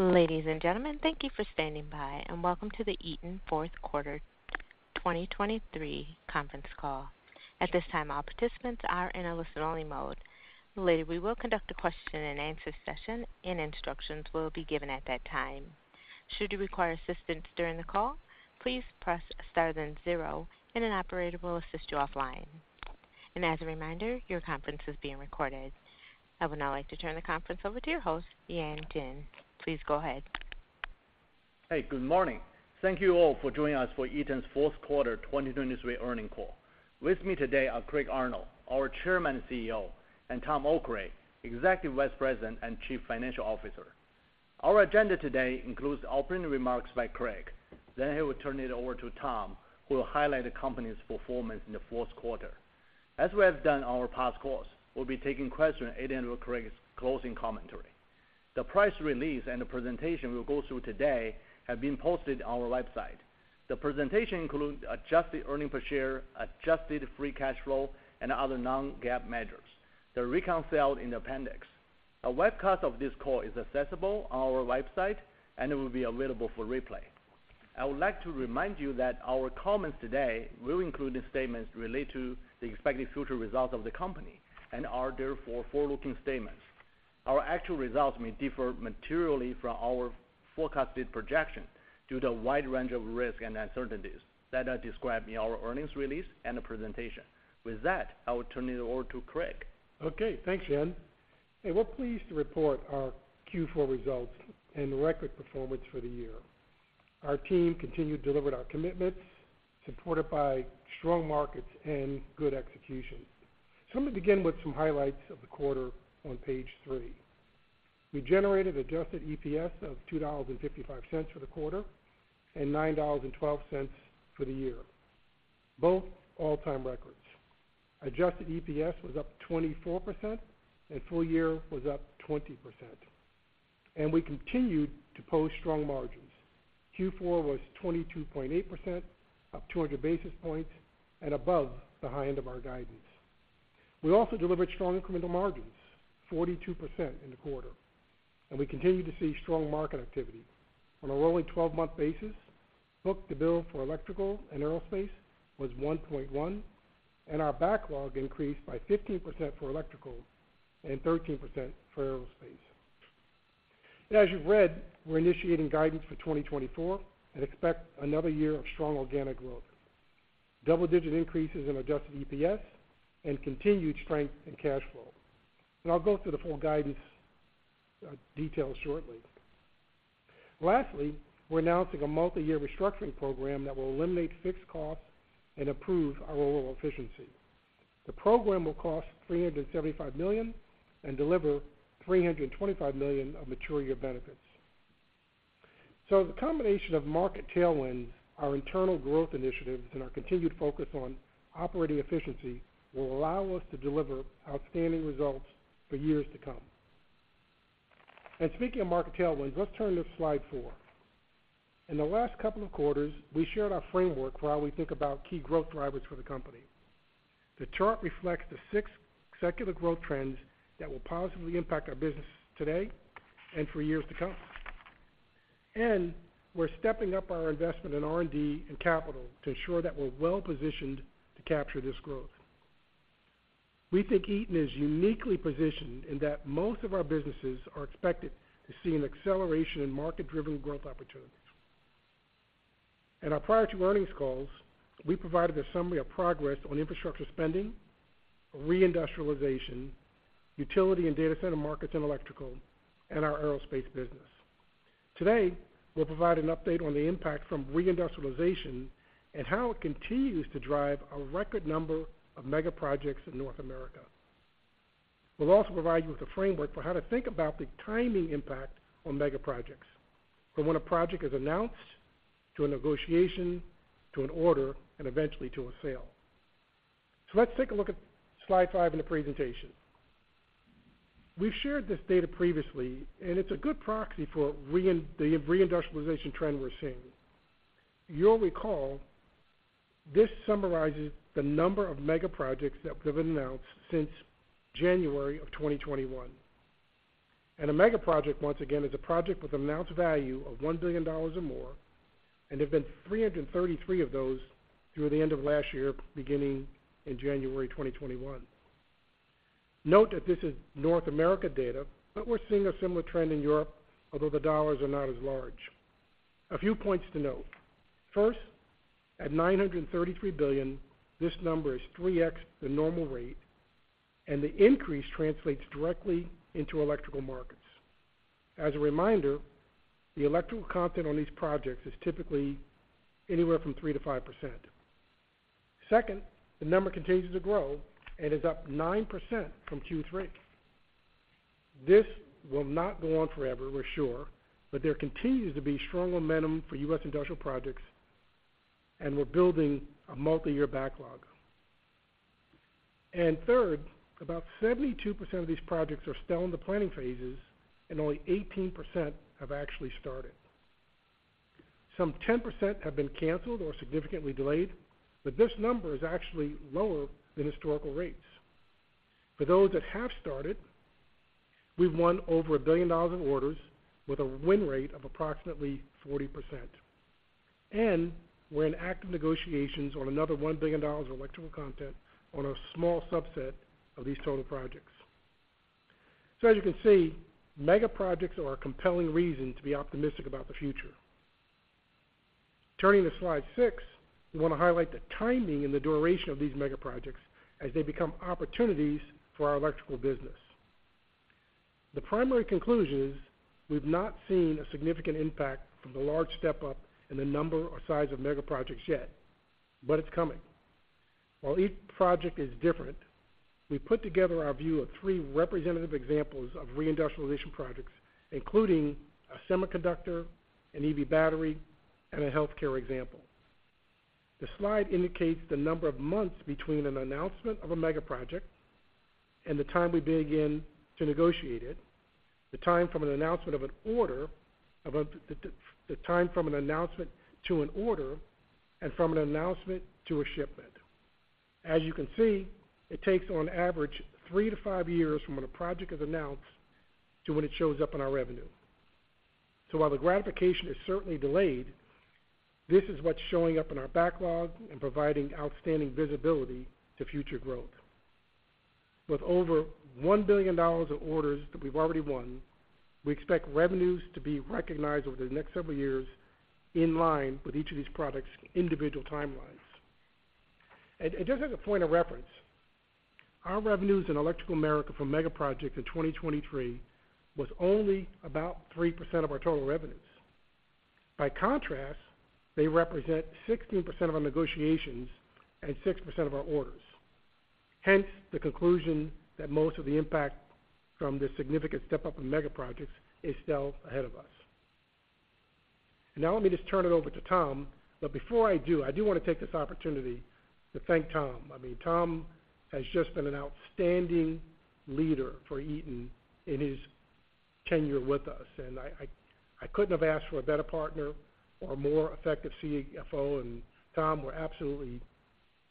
Ladies and gentlemen, thank you for standing by, and welcome to the Eaton Fourth Quarter 2023 Conference Call. At this time, all participants are in a listen-only mode. Later, we will conduct a question-and-answer session, and instructions will be given at that time. Should you require assistance during the call, please press star then zero, and an operator will assist you offline. As a reminder, your conference is being recorded. I would now like to turn the conference over to your host, Yan Jin. Please go ahead. Hey, good morning. Thank you all for joining us for Eaton's fourth quarter 2023 earnings call. With me today are Craig Arnold, our Chairman and CEO, and Tom Okray, Executive Vice President and Chief Financial Officer. Our agenda today includes opening remarks by Craig. Then he will turn it over to Tom, who will highlight the company's performance in the fourth quarter. As we have done in our past calls, we'll be taking questions at the end of Craig's closing commentary. The press release and the presentation we'll go through today have been posted on our website. The presentation includes adjusted earnings per share, adjusted free cash flow, and other non-GAAP measures. They're reconciled in the appendix. A webcast of this call is accessible on our website, and it will be available for replay. I would like to remind you that our comments today will include statements related to the expected future results of the company and are therefore forward-looking statements. Our actual results may differ materially from our forecasted projection due to a wide range of risks and uncertainties that are described in our earnings release and the presentation. With that, I will turn it over to Craig. Okay, thanks, Yan. Hey, we're pleased to report our Q4 results and record performance for the year. Our team continued to deliver our commitments, supported by strong markets and good execution. So let me begin with some highlights of the quarter on page 3. We generated Adjusted EPS of $2.55 for the quarter, and $9.12 for the year. Both all-time records. Adjusted EPS was up 24%, and full year was up 20%, and we continued to post strong margins. Q4 was 22.8%, up 200 basis points, and above the high end of our guidance. We also delivered strong incremental margins, 42% in the quarter, and we continued to see strong market activity. On a rolling twelve-month basis, book-to-bill for eElectrical and Aerospace was 1.1, and our backlog increased by 15% for Electrical and 13% for Aerospace. And as you've read, we're initiating guidance for 2024 and expect another year of strong organic growth, double-digit increases in adjusted EPS, and continued strength in cash flow. And I'll go through the full guidance, details shortly. Lastly, we're announcing a multiyear restructuring program that will eliminate fixed costs and improve our overall efficiency. The program will cost $375 million and deliver $325 million of mature year benefits. So the combination of market tailwinds, our internal growth initiatives, and our continued focus on operating efficiency will allow us to deliver outstanding results for years to come. And speaking of market tailwinds, let's turn to slide four. In the last couple of quarters, we shared our framework for how we think about key growth drivers for the company. The chart reflects the six secular growth trends that will positively impact our business today and for years to come. We're stepping up our investment in R&D and capital to ensure that we're well-positioned to capture this growth. We think Eaton is uniquely positioned in that most of our businesses are expected to see an acceleration in market-driven growth opportunities. In our prior two earnings calls, we provided a summary of progress on infrastructure spending, reindustrialization, utility and data center markets in Electrical, and our Aerospace business. Today, we'll provide an update on the impact from reindustrialization and how it continues to drive a record number of megaprojects in North America. We'll also provide you with a framework for how to think about the timing impact on megaprojects, from when a project is announced, to a negotiation, to an order, and eventually to a sale. So let's take a look at slide five in the presentation. We've shared this data previously, and it's a good proxy for reindustrialization trend we're seeing. You'll recall, this summarizes the number of megaprojects that have been announced since January of 2021. And a megaproject, once again, is a project with an announced value of $1 billion or more, and there have been 333 of those through the end of last year, beginning in January 2021. Note that this is North America data, but we're seeing a similar trend in Europe, although the dollars are not as large. A few points to note. First, at $933 billion, this number is 3x the normal rate, and the increase translates directly into Electrical markets. As a reminder, the Electrical content on these projects is typically anywhere from 3%-5%. Second, the number continues to grow and is up 9% from Q3. This will not go on forever, we're sure, but there continues to be strong momentum for U.S. industrial projects, and we're building a multiyear backlog. And third, about 72% of these projects are still in the planning phases, and only 18% have actually started. Some 10% have been canceled or significantly delayed, but this number is actually lower than historical rates. For those that have started, we've won over $1 billion in orders, with a win rate of approximately 40%, and we're in active negotiations on another $1 billion of Electrical content on a small subset of these total projects. So as you can see, megaprojects are a compelling reason to be optimistic about the future. Turning to slide 6, we want to highlight the timing and the duration of these megaprojects as they become opportunities for our Electrical business. The primary conclusion is, we've not seen a significant impact from the large step up in the number or size of megaprojects yet, but it's coming. While each project is different, we put together our view of 3 representative examples of reindustrialization projects, including a semiconductor, an EV battery, and a healthcare example. The slide indicates the number of months between an announcement of a mega project and the time we begin to negotiate it, the time from an announcement to an order, and from an announcement to a shipment. As you can see, it takes, on average, three to five years from when a project is announced to when it shows up in our revenue. So while the gratification is certainly delayed, this is what's showing up in our backlog and providing outstanding visibility to future growth. With over $1 billion of orders that we've already won, we expect revenues to be recognized over the next several years in line with each of these products' individual timelines. Just as a point of reference, our revenues in Electrical Americas for megaprojects in 2023 was only about 3% of our total revenues. By contrast, they represent 16% of our negotiations and 6% of our orders. Hence, the conclusion that most of the impact from this significant step up in megaprojects is still ahead of us. Now, let me just turn it over to Tom, but before I do, I do want to take this opportunity to thank Tom. I mean, Tom has just been an outstanding leader for Eaton in his tenure with us, and I couldn't have asked for a better partner or a more effective CFO. Tom, we're absolutely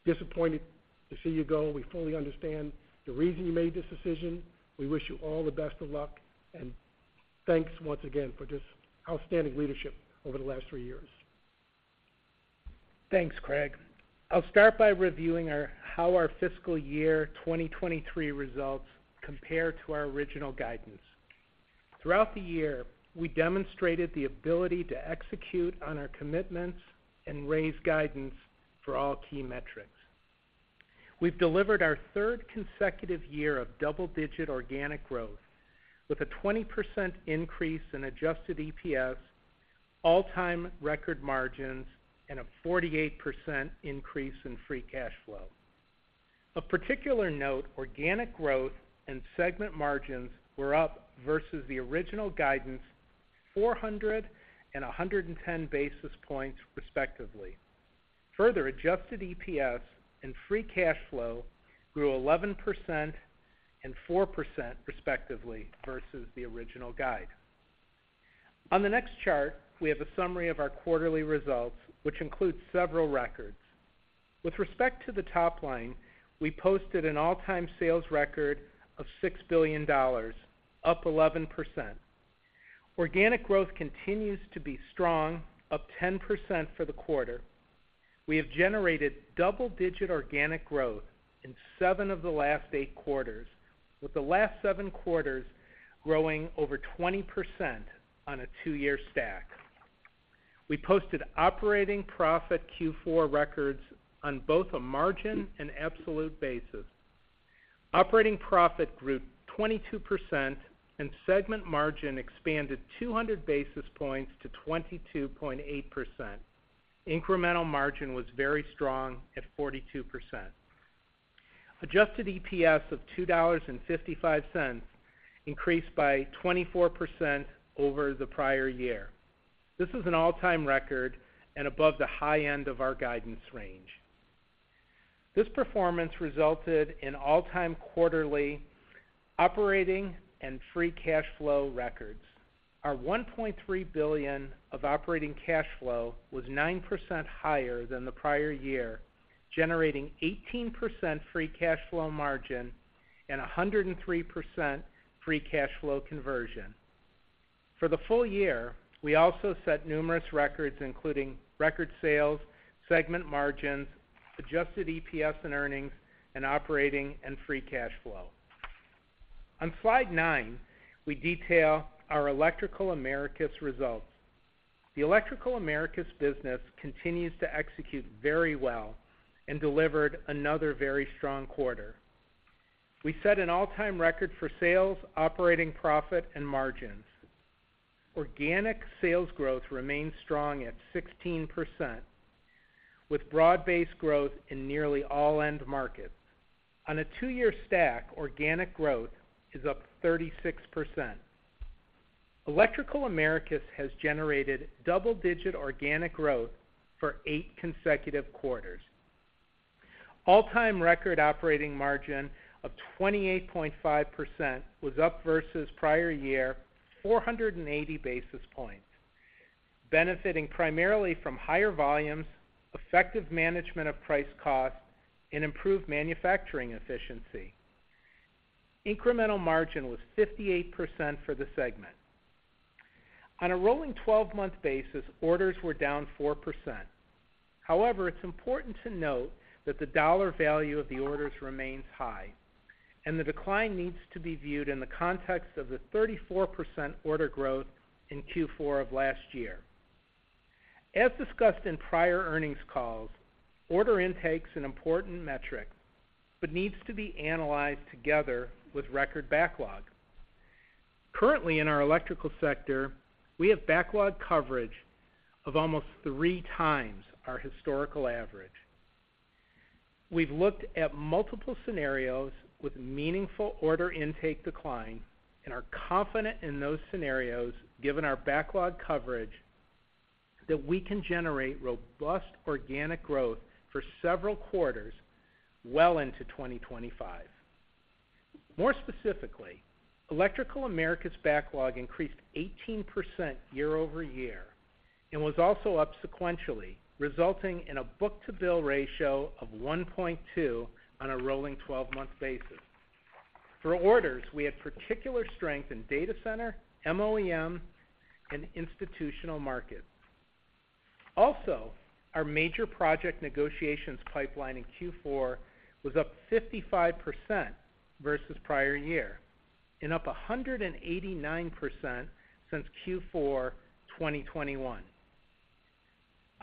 disappointed to see you go. We fully understand the reason you made this decision. We wish you all the best of luck, and thanks once again for just outstanding leadership over the last three years. Thanks, Craig. I'll start by reviewing our, how our fiscal year 2023 results compare to our original guidance. Throughout the year, we demonstrated the ability to execute on our commitments and raise guidance for all key metrics. We've delivered our third consecutive year of double-digit organic growth, with a 20% increase in adjusted EPS, all-time record margins, and a 48% increase in free cash flow. Of particular note, organic growth and segment margins were up versus the original guidance, 400 and 110 basis points, respectively. Further, adjusted EPS and free cash flow grew 11% and 4%, respectively, versus the original guide. On the next chart, we have a summary of our quarterly results, which includes several records. With respect to the top line, we posted an all-time sales record of $6 billion, up 11%. Organic growth continues to be strong, up 10% for the quarter. We have generated double-digit organic growth in 7 of the last 8 quarters, with the last 7 quarters growing over 20% on a two-year stack. We posted operating profit Q4 records on both a margin and absolute basis. Operating profit grew 22%, and segment margin expanded 200 basis points to 22.8%. Incremental margin was very strong at 42%. Adjusted EPS of $2.55 increased by 24% over the prior year. This is an all-time record and above the high end of our guidance range. This performance resulted in all-time quarterly operating and free cash flow records. Our $1.3 billion of operating cash flow was 9% higher than the prior year, generating 18% free cash flow margin and 103% free cash flow conversion. For the full year, we also set numerous records, including record sales, segment margins, adjusted EPS and earnings, and operating and free cash flow. On slide 9, we detail our Electrical Americas results. The Electrical Americas business continues to execute very well and delivered another very strong quarter. We set an all-time record for sales, operating profit, and margins. Organic sales growth remains strong at 16%, with broad-based growth in nearly all end markets. On a two-year stack, organic growth is up 36%. Electrical Americas has generated double-digit organic growth for 8 consecutive quarters. All-time record operating margin of 28.5% was up versus prior year, 480 basis points, benefiting primarily from higher volumes, effective management of price cost, and improved manufacturing efficiency. Incremental margin was 58% for the segment. On a rolling twelve-month basis, orders were down 4%. However, it's important to note that the dollar value of the orders remains high, and the decline needs to be viewed in the context of the 34% order growth in Q4 of last year. As discussed in prior earnings calls, order intake is an important metric, but needs to be analyzed together with record backlog. Currently, in our Electrical sector, we have backlog coverage of almost three times our historical average. We've looked at multiple scenarios with meaningful order intake decline and are confident in those scenarios, given our backlog coverage, that we can generate robust organic growth for several quarters well into 2025. More specifically, Electrical Americas backlog increased 18% year-over-year and was also up sequentially, resulting in a book-to-bill ratio of 1.2 on a rolling twelve-month basis. For orders, we had particular strength in data center, MOEM, and institutional markets. Also, our major project negotiations pipeline in Q4 was up 55% versus prior year and up 189% since Q4 2021.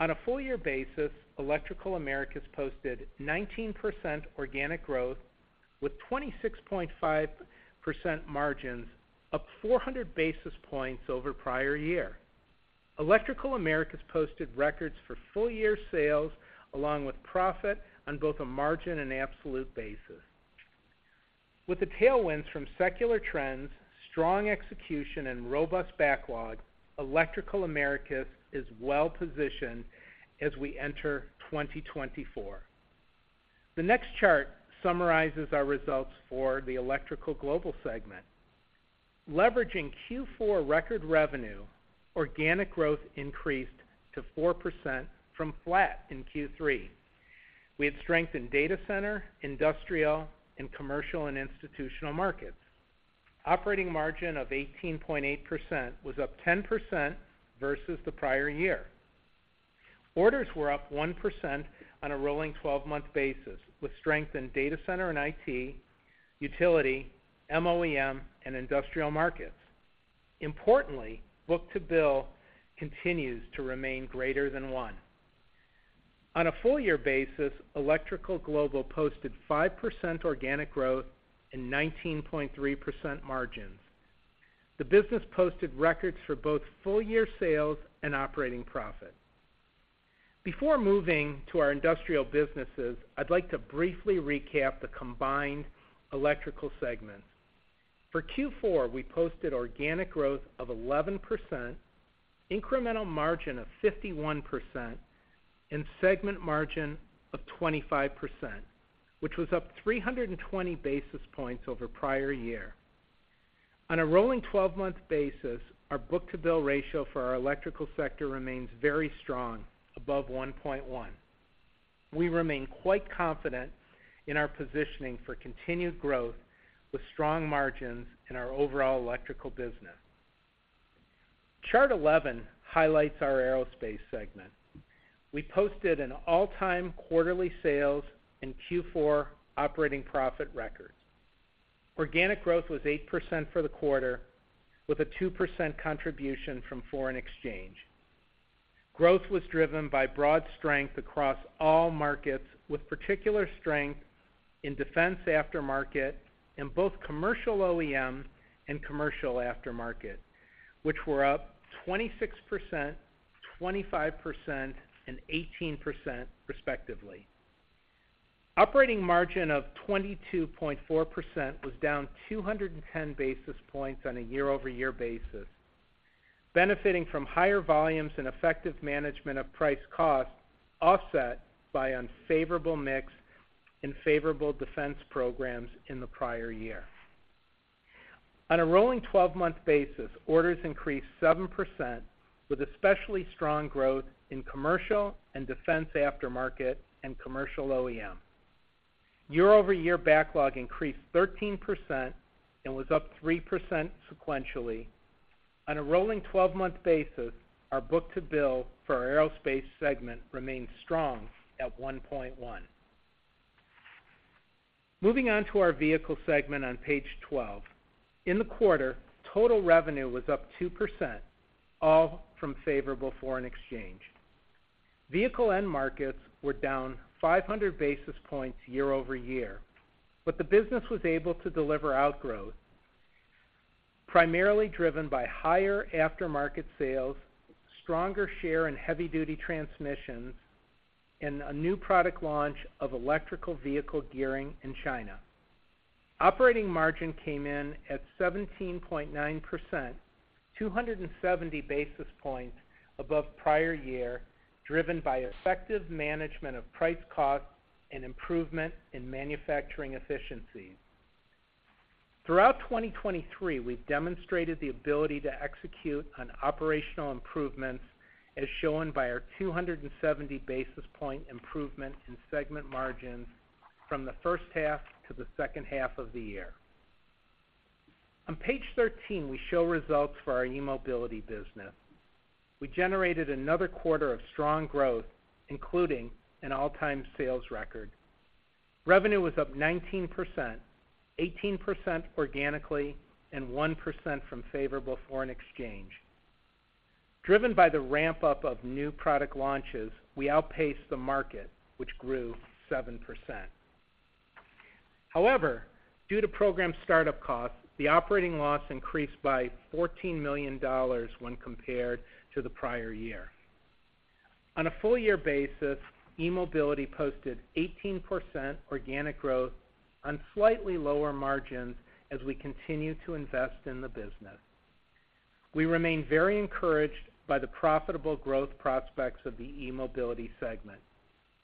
On a full-year basis, Electrical Americas posted 19% organic growth, with 26.5% margins, up 400 basis points over prior year. Electrical Americas posted records for full-year sales, along with profit on both a margin and absolute basis. With the tailwinds from secular trends, strong execution, and robust backlog, Electrical Americas is well positioned as we enter 2024. The next chart summarizes our results for the Electrical Global segment. Leveraging Q4 record revenue, organic growth increased to 4% from flat in Q3. We had strength in data center, industrial, and commercial, and institutional markets. Operating margin of 18.8% was up 10% versus the prior year. Orders were up 1% on a rolling 12-month basis, with strength in data center and IT, utility, MOEM, and industrial markets. Importantly, book-to-bill continues to remain greater than one. On a full year basis, Electrical Global posted 5% organic growth and 19.3% margins. The business posted records for both full year sales and operating profit. Before moving to our industrial businesses, I'd like to briefly recap the combined Electrical segment. For Q4, we posted organic growth of 11%, incremental margin of 51%, and segment margin of 25%, which was up 320 basis points over prior year. On a rolling 12-month basis, our book-to-bill ratio for our Electrical sector remains very strong, above 1.1. We remain quite confident in our positioning for continued growth with strong margins in our overall Electrical business. Chart 11 highlights our Aerospace segment. We posted an all-time quarterly sales and Q4 operating profit record. Organic growth was 8% for the quarter, with a 2% contribution from foreign exchange. Growth was driven by broad strength across all markets, with particular strength in defense aftermarket, in both commercial OEM and commercial aftermarket, which were up 26%, 25%, and 18% respectively. Operating margin of 22.4% was down 210 basis points on a year-over-year basis, benefiting from higher volumes and effective management of price cost, offset by unfavorable mix and favorable defense programs in the prior year. On a rolling 12-month basis, orders increased 7%, with especially strong growth in commercial and defense aftermarket and commercial OEM. Year-over-year backlog increased 13% and was up 3% sequentially. On a rolling 12-month basis, our book-to-bill for our Aerospace segment remains strong at 1.1. Moving on to our Vehicle segment on page 12. In the quarter, total revenue was up 2%, all from favorable foreign exchange. Vehicle end markets were down 500 basis points year-over-year, but the business was able to deliver outgrowth, primarily driven by higher aftermarket sales, stronger share in heavy-duty transmissions, and a new product launch of electric Vehicle gearing in China. Operating margin came in at 17.9%, 270 basis points above prior year, driven by effective management of price costs and improvement in manufacturing efficiency. Throughout 2023, we've demonstrated the ability to execute on operational improvements, as shown by our 270 basis point improvement in segment margins from the first half to the second half of the year. On page 13, we show results for our eMobility business. We generated another quarter of strong growth, including an all-time sales record. Revenue was up 19%, 18% organically, and 1% from favorable foreign exchange. Driven by the ramp-up of new product launches, we outpaced the market, which grew 7%. However, due to program startup costs, the operating loss increased by $14 million when compared to the prior year. On a full year basis, eMobility posted 18% organic growth on slightly lower margins as we continue to invest in the business. We remain very encouraged by the profitable growth prospects of the eMobility segment.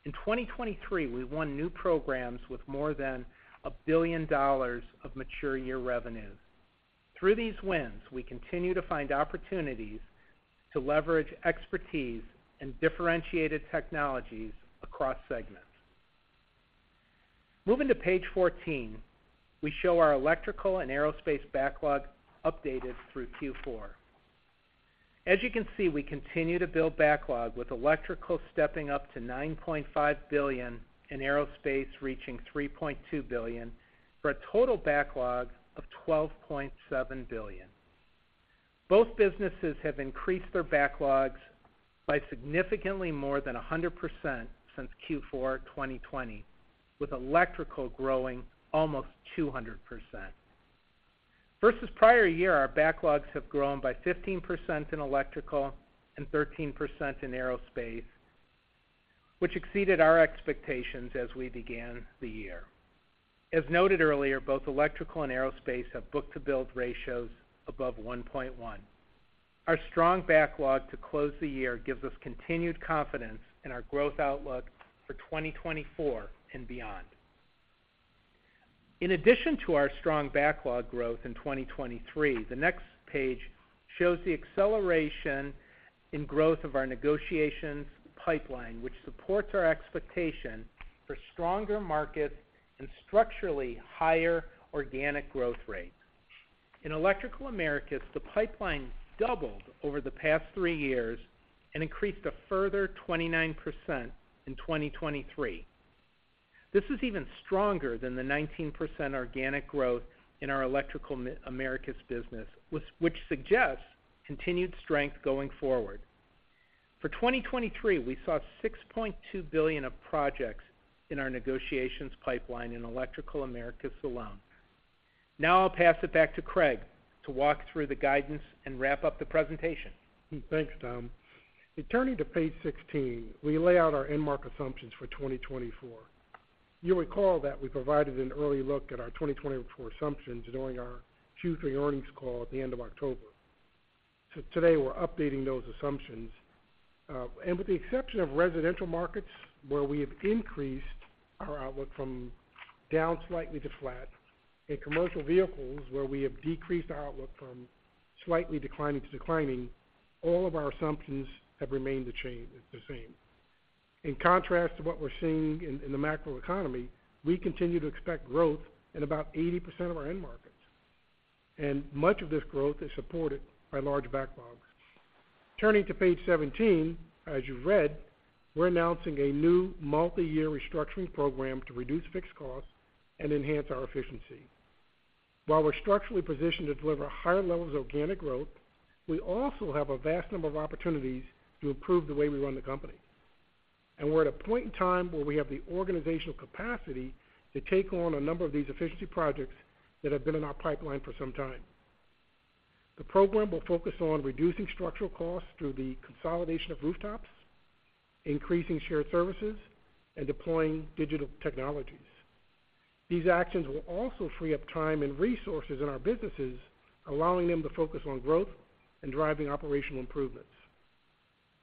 In 2023, we won new programs with more than $1 billion of mature year revenues. Through these wins, we continue to find opportunities to leverage expertise and differentiated technologies across segments. Moving to page 14, we show our Electrical and Aerospace backlog updated through Q4. As you can see, we continue to build backlog, with Electrical stepping up to $9.5 billion and Aerospace reaching $3.2 billion, for a total backlog of $12.7 billion. Both businesses have increased their backlogs by significantly more than 100% since Q4 2020, with Electrical growing almost 200%. Versus prior year, our backlogs have grown by 15% in Electrical and 13% in Aerospace, which exceeded our expectations as we began the year. As noted earlier, both Electrical and Aerospace have book-to-bill ratios above 1.1. Our strong backlog to close the year gives us continued confidence in our growth outlook for 2024 and beyond. In addition to our strong backlog growth in 2023, the next page shows the acceleration in growth of our negotiations pipeline, which supports our expectation for stronger markets and structurally higher organic growth rates. In Electrical Americas, the pipeline doubled over the past three years and increased a further 29% in 2023. This is even stronger than the 19% organic growth in our Electrical Americas business, which suggests continued strength going forward. For 2023, we saw $6.2 billion of projects in our negotiations pipeline in Electrical Americas alone. Now I'll pass it back to Craig to walk through the guidance and wrap up the presentation. Thanks, Tom. Turning to page 16, we lay out our end-market assumptions for 2024. You'll recall that we provided an early look at our 2024 assumptions during our Q3 earnings call at the end of October. So today, we're updating those assumptions. And with the exception of residential markets, where we have increased our outlook from down slightly to flat, in commercial Vehicles, where we have decreased our outlook from slightly declining to declining, all of our assumptions have remained the same. In contrast to what we're seeing in the macroeconomy, we continue to expect growth in about 80% of our end markets, and much of this growth is supported by large backlogs. Turning to page 17, as you've read, we're announcing a new multi-year restructuring program to reduce fixed costs and enhance our efficiency. While we're structurally positioned to deliver higher levels of organic growth, we also have a vast number of opportunities to improve the way we run the company. We're at a point in time where we have the organizational capacity to take on a number of these efficiency projects that have been in our pipeline for some time. The program will focus on reducing structural costs through the consolidation of rooftops, increasing shared services, and deploying digital technologies. These actions will also free up time and resources in our businesses, allowing them to focus on growth and driving operational improvements.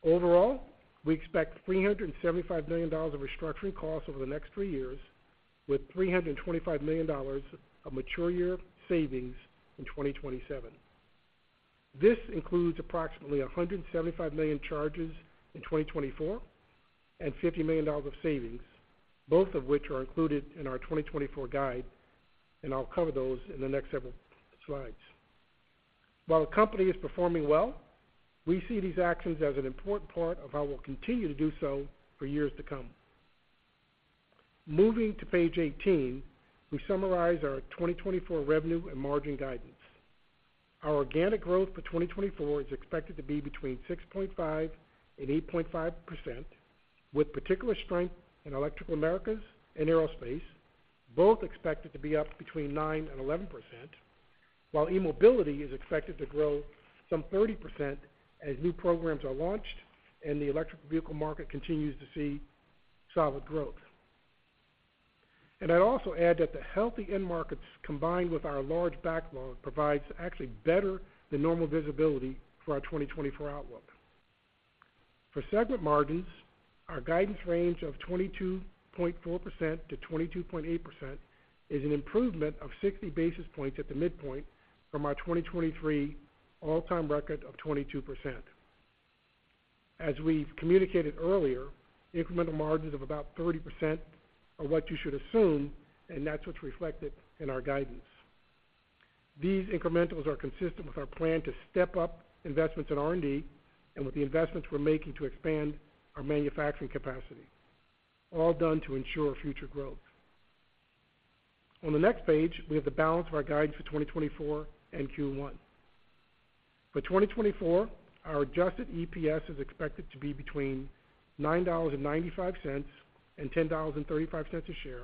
Overall, we expect $375 million of restructuring costs over the next three years, with $325 million of mature year savings in 2027. This includes approximately $175 million charges in 2024 and $50 million of savings, both of which are included in our 2024 guide, and I'll cover those in the next several slides. While the company is performing well, we see these actions as an important part of how we'll continue to do so for years to come. Moving to page 18, we summarize our 2024 revenue and margin guidance. Our organic growth for 2024 is expected to be between 6.5%-8.5%, with particular strength in Electrical Americas and Aerospace, both expected to be up between 9%-11%. While eMobility is expected to grow some 30% as new programs are launched and the electric Vehicle market continues to see solid growth. I'd also add that the healthy end markets, combined with our large backlog, provides actually better than normal visibility for our 2024 outlook. For segment margins, our guidance range of 22.4%-22.8% is an improvement of 60 basis points at the midpoint from our 2023 all-time record of 22%. As we've communicated earlier, incremental margins of about 30% are what you should assume, and that's what's reflected in our guidance. These incrementals are consistent with our plan to step up investments in R&D and with the investments we're making to expand our manufacturing capacity, all done to ensure future growth. On the next page, we have the balance of our guidance for 2024 and Q1. For 2024, our adjusted EPS is expected to be between $9.95 and $10.35 a share,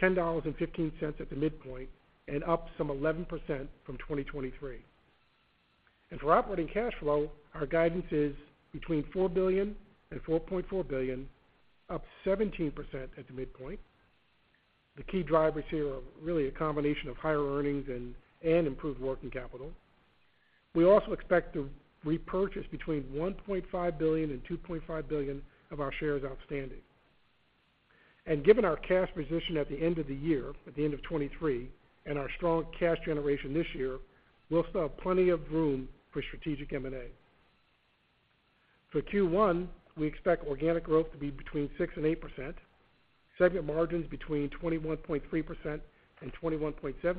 $10.15 at the midpoint, and up some 11% from 2023. For operating cash flow, our guidance is between $4 billion and $4.4 billion, up 17% at the midpoint. The key drivers here are really a combination of higher earnings and improved working capital. We also expect to repurchase between $1.5 billion and $2.5 billion of our shares outstanding. Given our cash position at the end of the year, at the end of 2023, and our strong cash generation this year, we'll still have plenty of room for strategic M&A. For Q1, we expect organic growth to be between 6% and 8%, segment margins between 21.3% and 21.7%,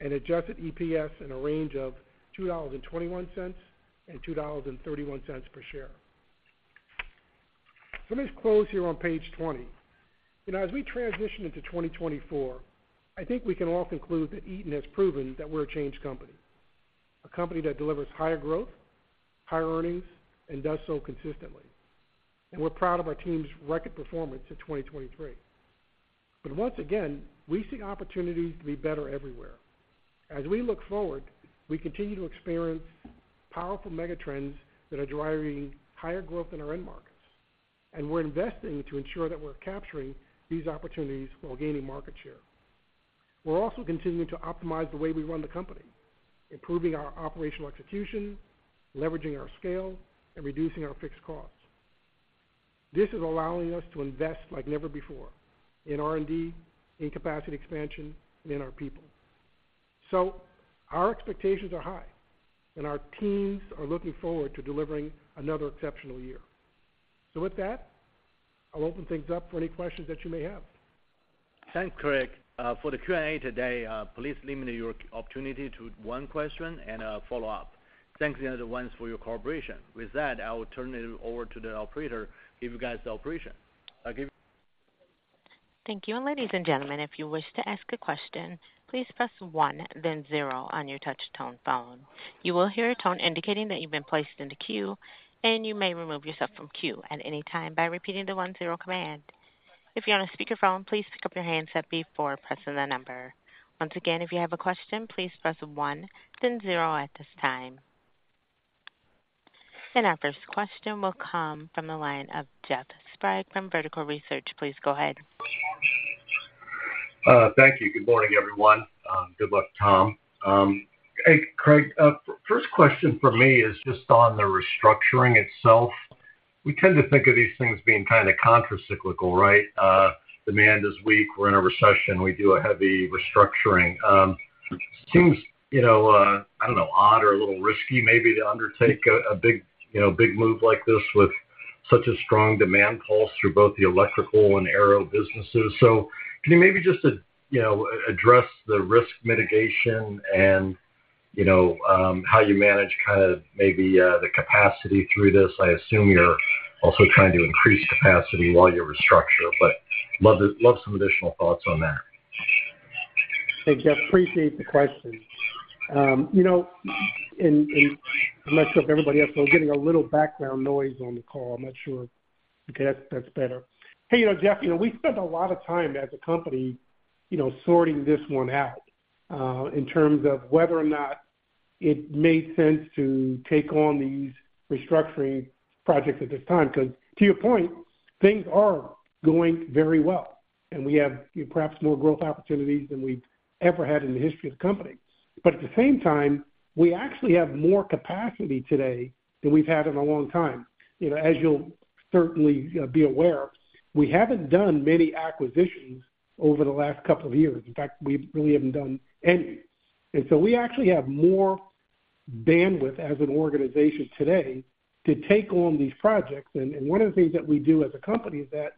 and adjusted EPS in a range of $2.21 and $2.31 per share. So let me just close here on page 20. You know, as we transition into 2024, I think we can all conclude that Eaton has proven that we're a changed company, a company that delivers higher growth, higher earnings, and does so consistently. And we're proud of our team's record performance in 2023. But once again, we see opportunities to be better everywhere. As we look forward, we continue to experience powerful megatrends that are driving higher growth in our end markets, and we're investing to ensure that we're capturing these opportunities while gaining market share. We're also continuing to optimize the way we run the company, improving our operational execution, leveraging our scale, and reducing our fixed costs. This is allowing us to invest like never before in R&D, in capacity expansion, and in our people. So our expectations are high, and our teams are looking forward to delivering another exceptional year. So with that, I'll open things up for any questions that you may have. Thanks, Craig. For the Q&A today, please limit your opportunity to one question and a follow-up. Thanks in advance for your cooperation. With that, I will turn it over to the operator. Give you guys the operat. I give you- Thank you. Ladies and gentlemen, if you wish to ask a question, please press one, then zero on your touch tone phone. You will hear a tone indicating that you've been placed in the queue, and you may remove yourself from queue at any time by repeating the one-zero command. If you're on a speakerphone, please pick up your handset before pressing the number. Once again, if you have a question, please press one, then zero at this time. Our first question will come from the line of Jeff Sprague from Vertical Research. Please go ahead. Thank you. Good morning, everyone. Good luck, Tom. Hey, Craig, first question for me is just on the restructuring itself. We tend to think of these things being kind of countercyclical, right? Demand is weak, we're in a recession, we do a heavy restructuring. Seems, you know, I don't know, odd or a little risky maybe to undertake a big, you know, big move like this with such a strong demand pulse through both the Electrical and aero businesses. So can you maybe just, you know, address the risk mitigation and, you know, how you manage kind of maybe the capacity through this? I assume you're also trying to increase capacity while you restructure, but love to love some additional thoughts on that. Hey, Jeff, appreciate the question. You know, I'm not sure if everybody else, but getting a little background noise on the call. I'm not sure. Okay, that's better. Hey, you know, Jeff, you know, we spent a lot of time as a company, you know, sorting this one out, in terms of whether or not it made sense to take on these restructuring projects at this time, because to your point, things are going very well, and we have perhaps more growth opportunities than we've ever had in the history of the company. But at the same time, we actually have more capacity today than we've had in a long time. You know, as you'll certainly be aware, we haven't done many acquisitions over the last couple of years. In fact, we really haven't done any. And so we actually have more bandwidth as an organization today to take on these projects. And one of the things that we do as a company is that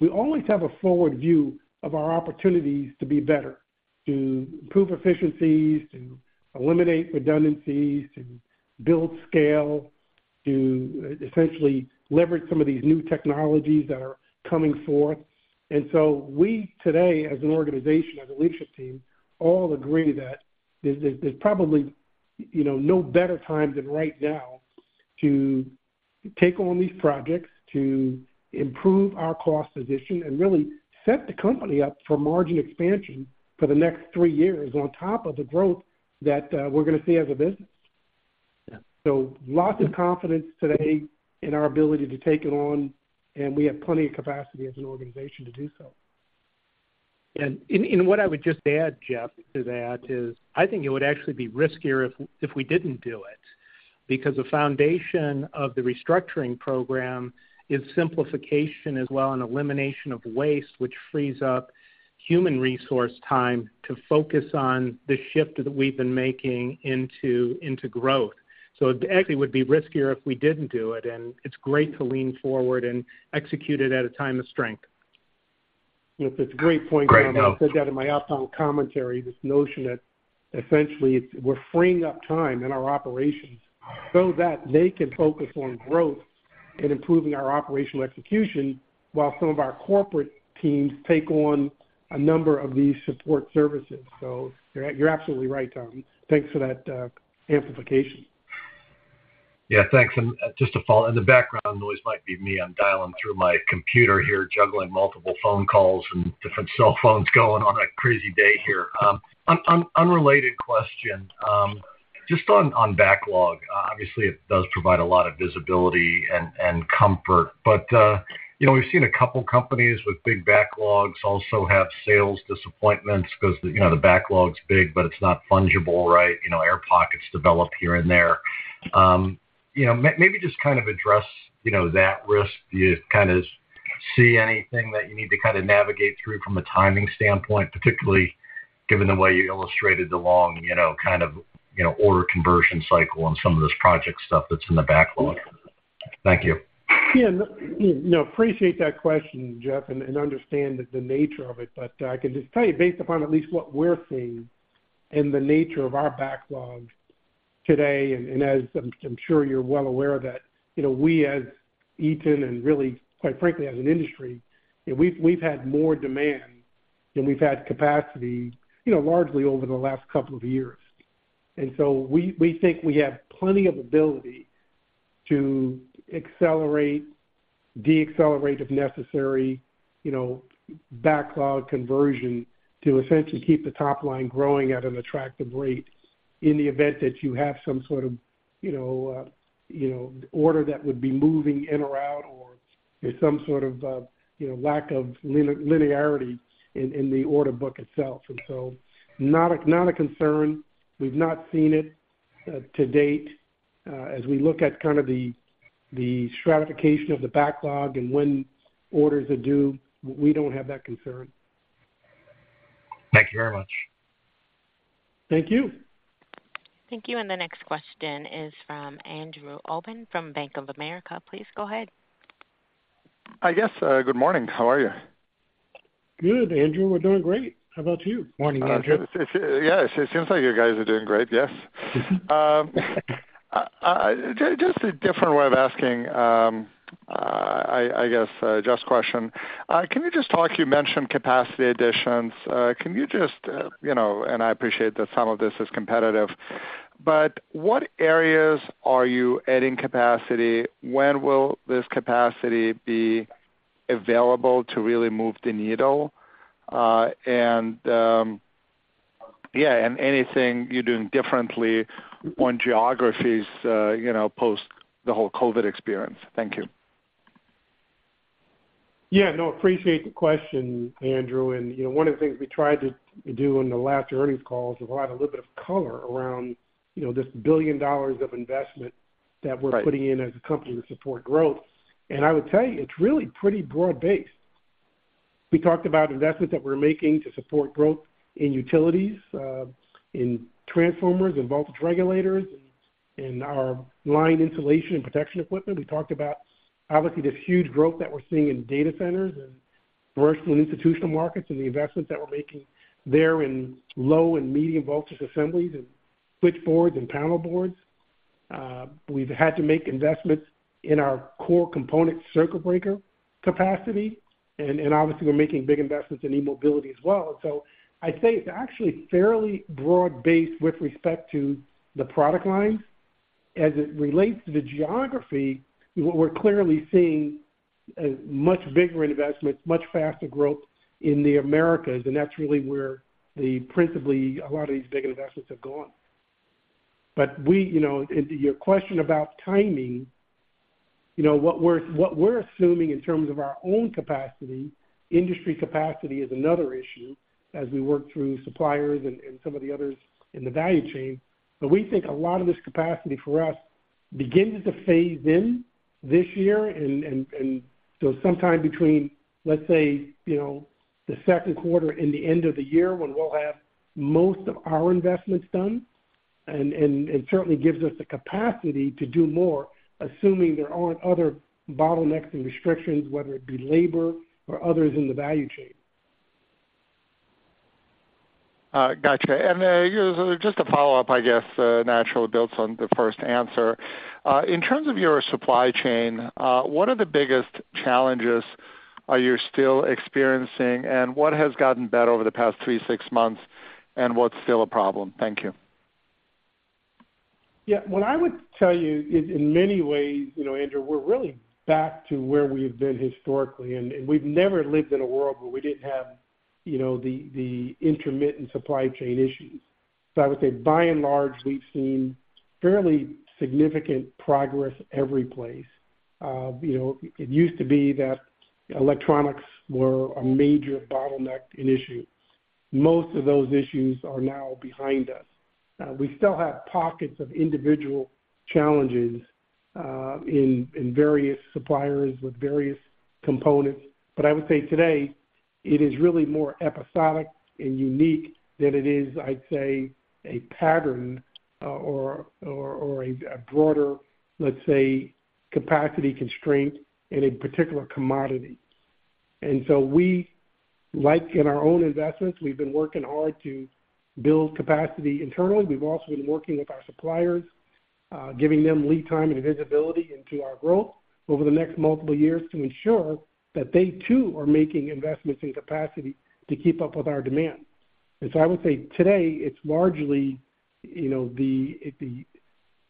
we always have a forward view of our opportunities to be better, to improve efficiencies, to eliminate redundancies, to build scale, to essentially leverage some of these new technologies that are coming forth. And so we, today, as an organization, as a leadership team, all agree that there, there's probably, you know, no better time than right now to take on these projects, to improve our cost position, and really set the company up for margin expansion for the next three years on top of the growth that we're going to see as a business. Yeah. Lots of confidence today in our ability to take it on, and we have plenty of capacity as an organization to do so. And what I would just add, Jeff, to that is, I think it would actually be riskier if we didn't do it, because the foundation of the restructuring program is simplification as well, and elimination of waste, which frees up human resource time to focus on the shift that we've been making into growth. So it actually would be riskier if we didn't do it, and it's great to lean forward and execute it at a time of strength. It's a great point, Tom. Great. I said that in my opening commentary, this notion that essentially, we're freeing up time in our operations so that they can focus on growth and improving our operational execution, while some of our corporate teams take on a number of these support services. So you're absolutely right, Tom. Thanks for that amplification. Yeah, thanks. Just to follow. The background noise might be me. I'm dialing through my computer here, juggling multiple phone calls and different cell phones going on a crazy day here. Unrelated question, just on, on backlog. Obviously, it does provide a lot of visibility and, and comfort, but, you know, we've seen a couple companies with big backlogs also have sales disappointments because, you know, the backlog's big, but it's not fungible, right? You know, air pockets develop here and there. You know, maybe just kind of address, you know, that risk. Do you kind of see anything that you need to kind of navigate through from a timing standpoint, particularly given the way you illustrated the long, you know, kind of, you know, order conversion cycle on some of this project stuff that's in the backlog? Thank you. Yeah, no, appreciate that question, Jeff, and understand the nature of it. But I can just tell you, based upon at least what we're seeing and the nature of our backlog today, and as I'm sure you're well aware that, you know, we, as Eaton, and really, quite frankly, as an industry, we've had more demand than we've had capacity, you know, largely over the last couple of years. And so we think we have plenty of ability to accelerate, deaccelerate, if necessary, you know, backlog conversion to essentially keep the top line growing at an attractive rate in the event that you have some sort of, you know, order that would be moving in or out, or there's some sort of, you know, lack of linear, linearity in the order book itself. Not a concern. We've not seen it to date. As we look at kind of the stratification of the backlog and when orders are due, we don't have that concern. Thank you very much. Thank you. Thank you. And the next question is from Andrew Obin from Bank of America. Please go ahead. Hi, guys. Good morning. How are you? Good, Andrew. We're doing great. How about you? Morning, Andrew. Yeah, it seems like you guys are doing great, yes. Just a different way of asking, I guess, Jeff's question. Can you just talk, you mentioned capacity additions. Can you just, you know, and I appreciate that some of this is competitive, but what areas are you adding capacity? When will this capacity be available to really move the needle? And yeah, and anything you're doing differently on geographies, you know, post the whole COVID experience? Thank you. Yeah, no, appreciate the question, Andrew. You know, one of the things we tried to do in the last earnings call is provide a little bit of color around, you know, this $1 billion of investment- Right that we're putting in as a company to support growth. And I would tell you, it's really pretty broad-based. We talked about investments that we're making to support growth in utilities, in transformers, in voltage regulators, in our line installation and protection equipment. We talked about, obviously, this huge growth that we're seeing in data centers and commercial and institutional markets, and the investments that we're making there in low and medium voltage assemblies and switchboards and panelboards. We've had to make investments in our core component, circuit breaker capacity, and obviously, we're making big investments in eMobility as well. So I'd say it's actually fairly broad-based with respect to the product lines. As it relates to the geography, we're clearly seeing a much bigger investment, much faster growth in the Americas, and that's really where the principally a lot of these big investments have gone. But we, you know, and to your question about timing, you know, what we're assuming in terms of our own capacity, industry capacity is another issue as we work through suppliers and some of the others in the value chain. But we think a lot of this capacity for us begins to phase in this year, and so sometime between, let's say, you know, the second quarter and the end of the year, when we'll have most of our investments done, and certainly gives us the capacity to do more, assuming there aren't other bottlenecks and restrictions, whether it be labor or others in the value chain. Gotcha. And, just a follow-up, I guess, naturally builds on the first answer. In terms of your supply chain, what are the biggest challenges? Are you still experiencing, and what has gotten better over the past three, six months, and what's still a problem? Thank you. Yeah, what I would tell you is, in many ways, you know, Andrew, we're really back to where we've been historically, and we've never lived in a world where we didn't have, you know, the intermittent supply chain issues. So I would say, by and large, we've seen fairly significant progress every place. It used to be that electronics were a major bottleneck and issue. Most of those issues are now behind us. We still have pockets of individual challenges in various suppliers with various components, but I would say today, it is really more episodic and unique than it is, I'd say, a pattern or a broader, let's say, capacity constraint in a particular commodity. And so we, like in our own investments, we've been working hard to build capacity internally. We've also been working with our suppliers, giving them lead time and visibility into our growth over the next multiple years to ensure that they, too, are making investments in capacity to keep up with our demand. And so I would say today, it's largely, you know, the, the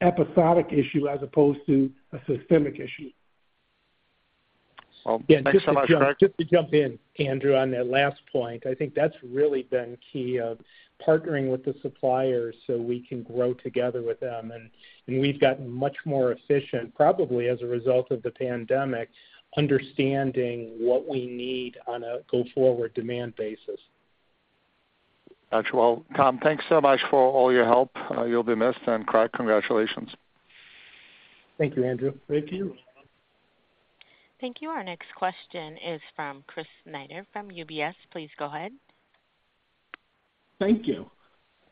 episodic issue as opposed to a systemic issue. Well, thanks so much, Craig. Yeah, just to jump in, Andrew, on that last point. I think that's really been key of partnering with the suppliers so we can grow together with them. And we've gotten much more efficient, probably as a result of the pandemic, understanding what we need on a go-forward demand basis. Got you. Well, Tom, thanks so much for all your help. You'll be missed, and Craig, congratulations. Thank you, Andrew. Thank you. Thank you. Our next question is from Chris Snyder from UBS. Please go ahead. Thank you.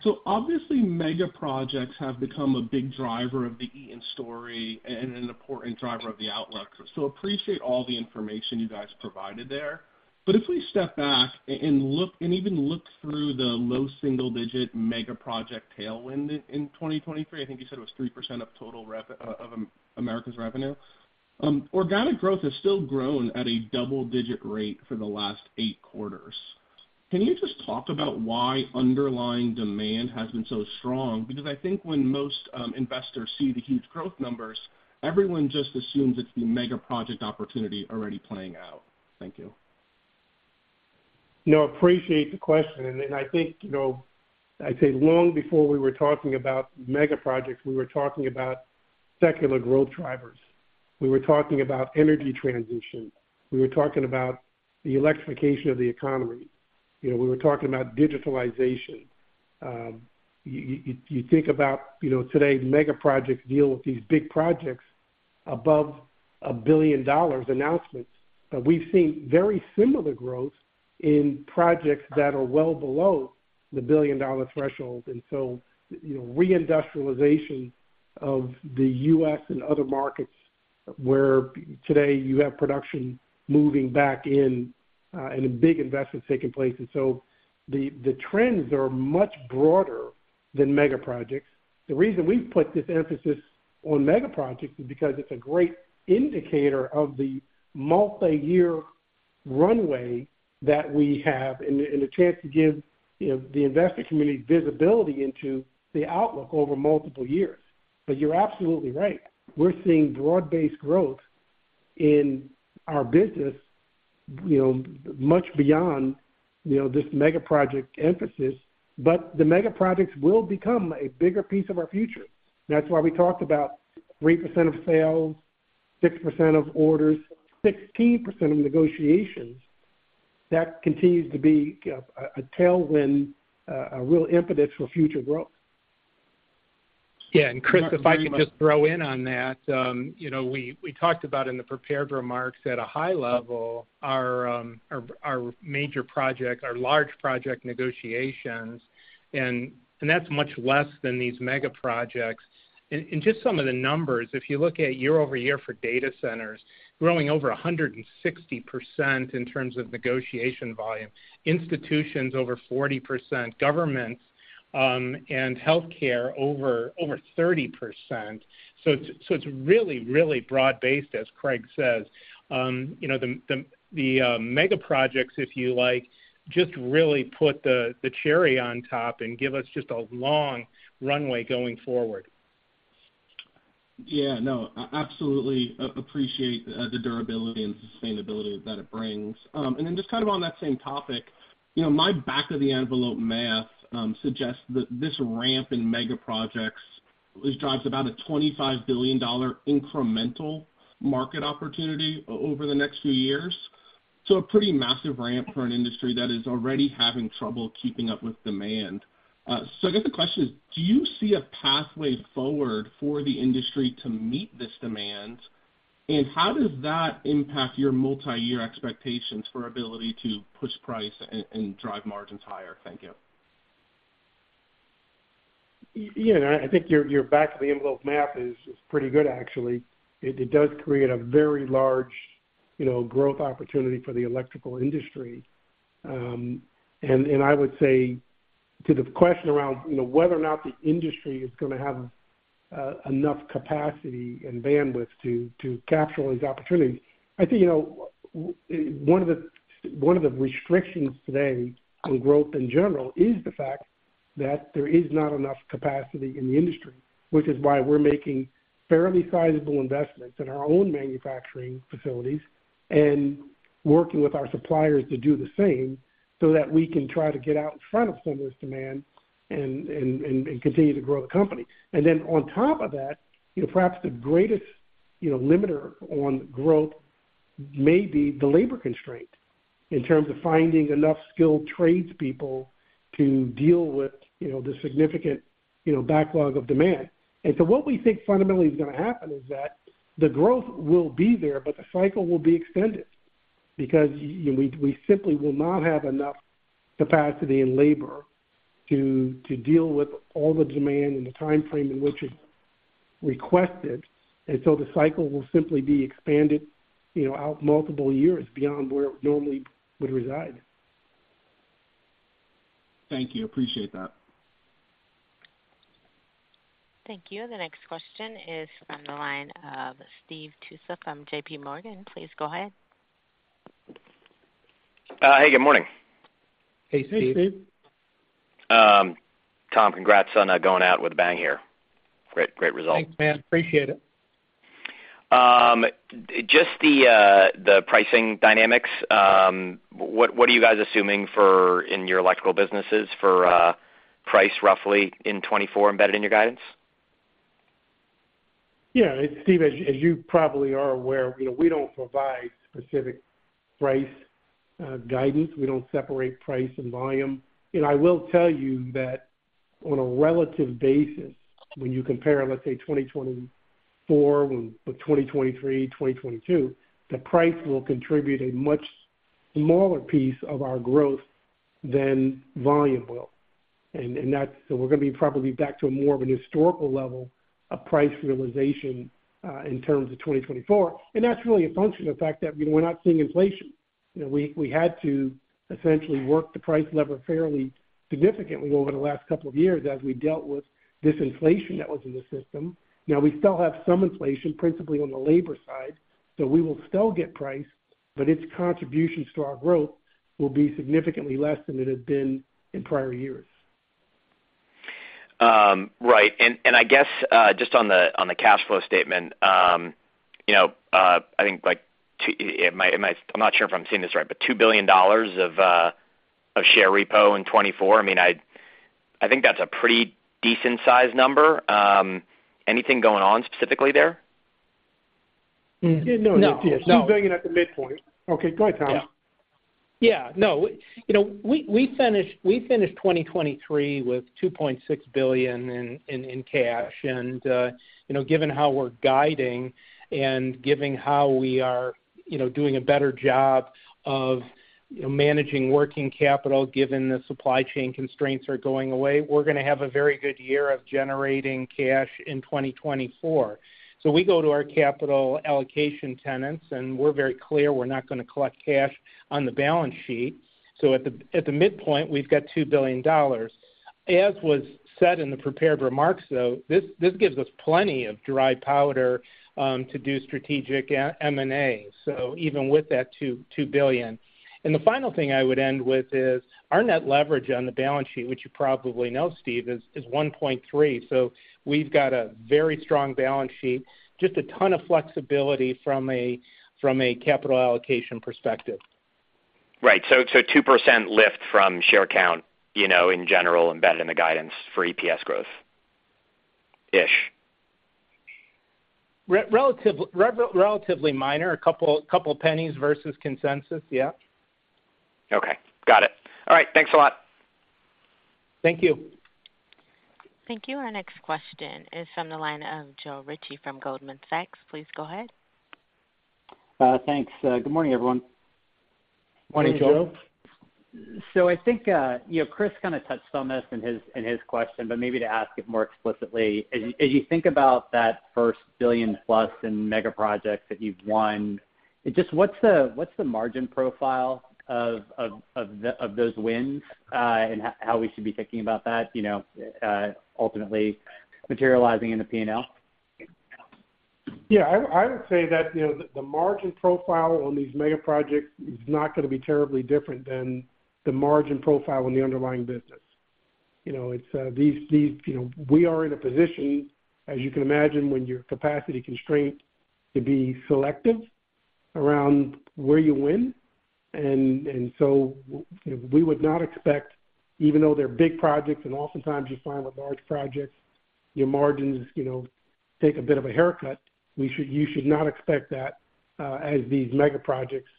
So obviously, mega projects have become a big driver of the Eaton story and an important driver of the outlook. So appreciate all the information you guys provided there. But if we step back and look, and even look through the low single-digit mega project tailwind in 2023, I think you said it was 3% of total Americas revenue. Organic growth has still grown at a double-digit rate for the last 8 quarters. Can you just talk about why underlying demand has been so strong? Because I think when most investors see the huge growth numbers, everyone just assumes it's the mega project opportunity already playing out. Thank you. No, appreciate the question, and I think, you know, I'd say long before we were talking about mega projects, we were talking about secular growth drivers. We were talking about energy transition. We were talking about the electrification of the economy. You know, we were talking about digitalization. You think about, you know, today, mega projects deal with these big projects above $1 billion announcements, but we've seen very similar growth in projects that are well below the $1 billion threshold. And so, you know, reindustrialization of the U.S. and other markets, where today you have production moving back in, and big investments taking place. And so the trends are much broader than mega projects. The reason we've put this emphasis on mega projects is because it's a great indicator of the multiyear runway that we have and the chance to give, you know, the investment community visibility into the outlook over multiple years. But you're absolutely right. We're seeing broad-based growth in our business, you know, much beyond, you know, this mega project emphasis, but the mega projects will become a bigger piece of our future. That's why we talked about 3% of sales, 6% of orders, 16% of negotiations. That continues to be a tailwind, a real impetus for future growth. Yeah, and Chris, if I could just throw in on that, you know, we talked about in the prepared remarks at a high level, our major projects, our large project negotiations, and that's much less than these mega projects. And just some of the numbers, if you look at year-over-year for data centers, growing over 160% in terms of negotiation volume, institutions, over 40%, governments, and healthcare over 30%. So it's really broad-based, as Craig says. You know, the mega projects, if you like, just really put the cherry on top and give us just a long runway going forward. Yeah, no, absolutely, appreciate the durability and sustainability that it brings. And then just kind of on that same topic, you know, my back-of-the-envelope math suggests that this ramp in mega projects drives about a $25 billion incremental market opportunity over the next few years. So a pretty massive ramp for an industry that is already having trouble keeping up with demand. So I guess the question is, do you see a pathway forward for the industry to meet this demand? And how does that impact your multiyear expectations for ability to push price and drive margins higher? Thank you. Yeah, I think your back-of-the-envelope math is pretty good, actually. It does create a very large, you know, growth opportunity for the Electrical industry. And I would say to the question around, you know, whether or not the industry is gonna have enough capacity and bandwidth to capture all these opportunities. I think, you know, one of the restrictions today on growth in general is the fact that there is not enough capacity in the industry, which is why we're making fairly sizable investments in our own manufacturing facilities and working with our suppliers to do the same, so that we can try to get out in front of some of this demand and continue to grow the company. And then on top of that, you know, perhaps the greatest, you know, limiter on growth may be the labor constraint, in terms of finding enough skilled tradespeople to deal with, you know, the significant, you know, backlog of demand. And so what we think fundamentally is gonna happen is that the growth will be there, but the cycle will be extended because, you know, we simply will not have enough capacity and labor to deal with all the demand in the timeframe in which it's requested, and so the cycle will simply be expanded, you know, out multiple years beyond where it normally would reside. Thank you. Appreciate that. Thank you. The next question is from the line of Steve Tusa from JP Morgan. Please go ahead. Hey, good morning. Hey, Steve. Hey, Steve. Tom, congrats on going out with a bang here. Great, great results. Thanks, man. Appreciate it. Just the, the pricing dynamics, what, what are you guys assuming for in your Electrical businesses for, price roughly in 2024 embedded in your guidance? Yeah, Steve, as you, as you probably are aware, you know, we don't provide specific price guidance. We don't separate price and volume. And I will tell you that on a relative basis, when you compare, let's say, 2024 with 2023, 2022, the price will contribute a much smaller piece of our growth than volume will. And that's - so we're gonna be probably back to a more of an historical level of price realization in terms of 2024. And that's really a function of the fact that, you know, we're not seeing inflation. You know, we had to essentially work the price lever fairly significantly over the last couple of years as we dealt with this inflation that was in the system. Now, we still have some inflation, principally on the labor side, so we will still get price, but its contributions to our growth will be significantly less than it had been in prior years. Right. And I guess just on the cash flow statement, you know, I think like two... Am I-- I'm not sure if I'm seeing this right, but $2 billion of share repo in 2024? I mean I think that's a pretty decent sized number. Anything going on specifically there? Hmm. Yeah, no. No. He's bringing it at the midpoint. Okay, go ahead, Tom. Yeah. No, you know, we finished 2023 with $2.6 billion in cash. And you know, given how we're guiding and given how we are, you know, doing a better job of, you know, managing working capital, given the supply chain constraints are going away, we're gonna have a very good year of generating cash in 2024. So we go to our capital allocation tenets, and we're very clear we're not gonna collect cash on the balance sheet. So at the midpoint, we've got $2 billion. As was said in the prepared remarks, though, this gives us plenty of dry powder to do strategic M&A, so even with that $2 billion. The final thing I would end with is our net leverage on the balance sheet, which you probably know, Steve, is 1.3. So we've got a very strong balance sheet, just a ton of flexibility from a capital allocation perspective. Right. So, so 2% lift from share count, you know, in general, embedded in the guidance for EPS growth-ish? Relatively minor. A couple pennies versus consensus, yeah. Okay, got it. All right. Thanks a lot. Thank you. Thank you. Our next question is from the line of Joe Ritchie from Goldman Sachs. Please go ahead. Thanks. Good morning, everyone. Morning, Joe. Morning, Joe. So I think, you know, Chris kind of touched on this in his question, but maybe to ask it more explicitly: as you think about that first $1 billion-plus in mega projects that you've won, just what's the margin profile of those wins, and how we should be thinking about that, you know, ultimately materializing in the P&L? Yeah, I would say that, you know, the margin profile on these mega projects is not gonna be terribly different than the margin profile on the underlying business. You know, it's these, you know, we are in a position, as you can imagine, when you're capacity constrained, to be selective around where you win. And so we would not expect, even though they're big projects, and oftentimes you find with large projects, your margins, you know, take a bit of a haircut, you should not expect that as these mega projects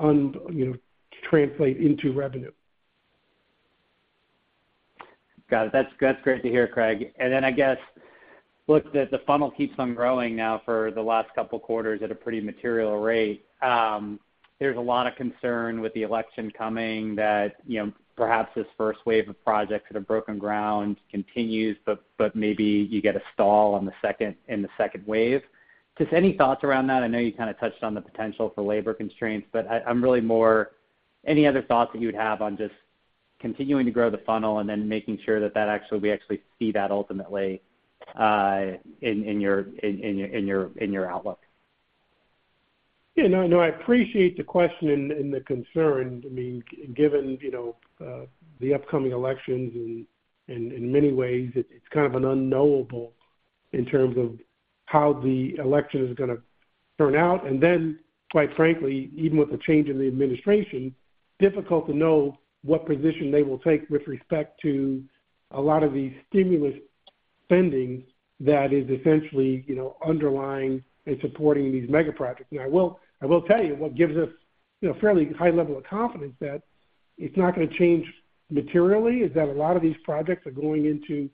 you know, translate into revenue. Got it. That's great to hear, Craig. And then I guess, look, the funnel keeps on growing now for the last couple of quarters at a pretty material rate. There's a lot of concern with the election coming that, you know, perhaps this first wave of projects that have broken ground continues, but maybe you get a stall on the second in the second wave. Just any thoughts around that? I know you kind of touched on the potential for labor constraints, but I'm really more - any other thoughts that you would have on just Continuing to grow the funnel and then making sure that actually we actually see that ultimately in your outlook? Yeah, no, no, I appreciate the question and the concern. I mean, given, you know, the upcoming elections, and in many ways, it's kind of an unknowable in terms of how the election is gonna turn out. And then, quite frankly, even with the change in the administration, difficult to know what position they will take with respect to a lot of the stimulus spending that is essentially, you know, underlying and supporting these mega projects. And I will tell you what gives us, you know, fairly high level of confidence that it's not gonna change materially, is that a lot of these projects are going into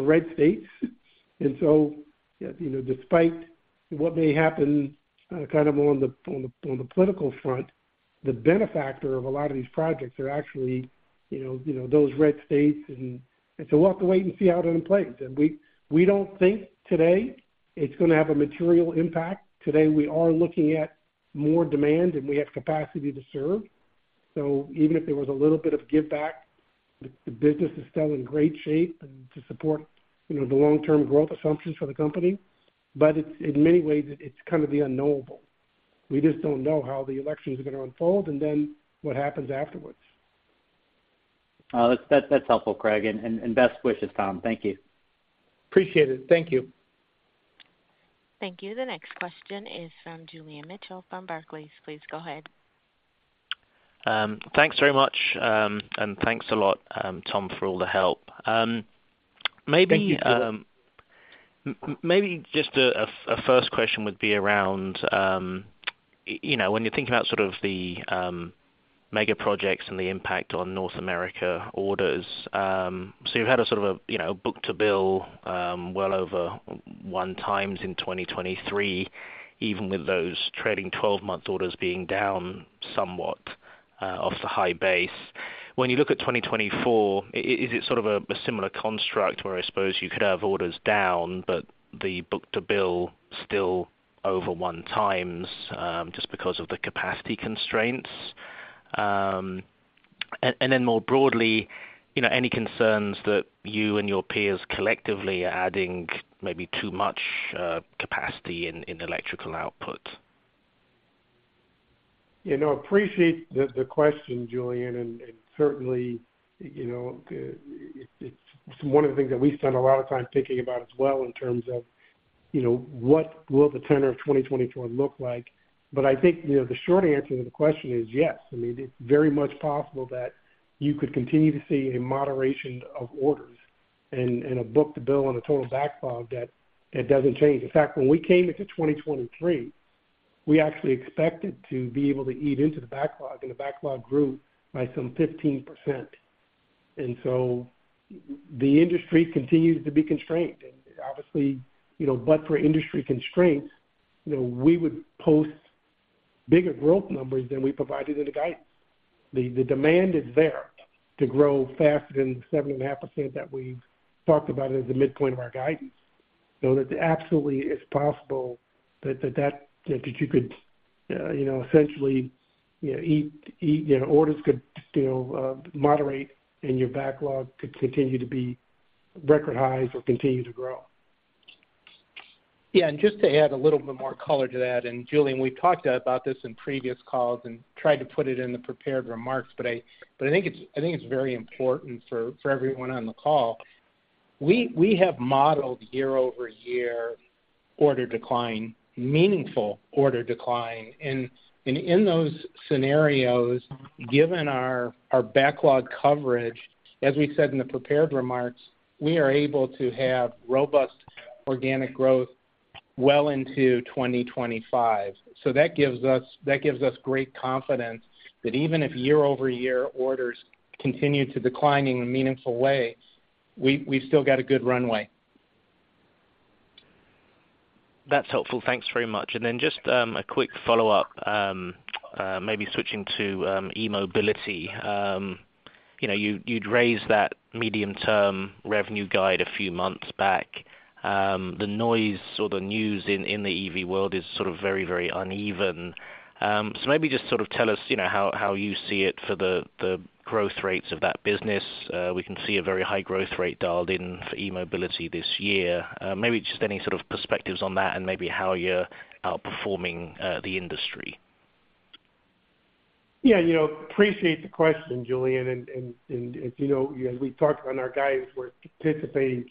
red states. And so, you know, despite what may happen kind of on the political front, the benefactor of a lot of these projects are actually, you know, you know, those red states, and so we'll have to wait and see how that plays. We don't think today it's gonna have a material impact. Today, we are looking at more demand, and we have capacity to serve. So even if there was a little bit of give back, the business is still in great shape to support, you know, the long-term growth assumptions for the company. But it's, in many ways, kind of the unknowable. We just don't know how the election is gonna unfold and then what happens afterwards. That's helpful, Craig, and best wishes, Tom. Thank you. Appreciate it. Thank you. Thank you. The next question is from Julian Mitchell from Barclays. Please go ahead. Thanks very much, and thanks a lot, Tom, for all the help. Maybe, Thank you, Julian. Maybe just a first question would be around, you know, when you're thinking about sort of the mega projects and the impact on North America orders, so you had a sort of, you know, book-to-bill well over 1x in 2023, even with those trailing twelve-month orders being down somewhat off the high base. When you look at 2024, is it sort of a similar construct where I suppose you could have orders down, but the book-to-bill still over 1x just because of the capacity constraints? And then more broadly, you know, any concerns that you and your peers collectively are adding maybe too much capacity in Electrical output? You know, I appreciate the question, Julian, and certainly, you know, it's one of the things that we spend a lot of time thinking about as well, in terms of, you know, what will the tenor of 2024 look like? But I think, you know, the short answer to the question is yes. I mean, it's very much possible that you could continue to see a moderation of orders and a book-to-bill on the total backlog, that it doesn't change. In fact, when we came into 2023, we actually expected to be able to eat into the backlog, and the backlog grew by some 15%. And so the industry continues to be constrained. And obviously, you know, but for industry constraints, you know, we would post bigger growth numbers than we provided in the guidance. The demand is there to grow faster than 7.5% that we've talked about as the midpoint of our guidance. So it absolutely is possible that you could, you know, essentially, you know, Eaton's orders could still moderate, and your backlog could continue to be record highs or continue to grow. Yeah, and just to add a little bit more color to that, and Julian, we've talked about this in previous calls and tried to put it in the prepared remarks, but I, but I think it's, I think it's very important for, for everyone on the call. We, we have modeled year-over-year order decline, meaningful order decline, and, and in those scenarios, given our, our backlog coverage, as we said in the prepared remarks, we are able to have robust organic growth well into 2025. So that gives us, that gives us great confidence that even if year-over-year orders continue to decline in meaningful ways, we, we've still got a good runway. That's helpful. Thanks very much. And then just a quick follow-up, maybe switching to eMobility. You know, you'd raised that medium-term revenue guide a few months back. The noise or the news in the EV world is sort of very, very uneven. So maybe just sort of tell us, you know, how you see it for the growth rates of that business. We can see a very high growth rate dialed in for eMobility this year. Maybe just any sort of perspectives on that and maybe how you're outperforming the industry. Yeah, you know, appreciate the question, Julian. As you know, as we talked on our guidance, we're anticipating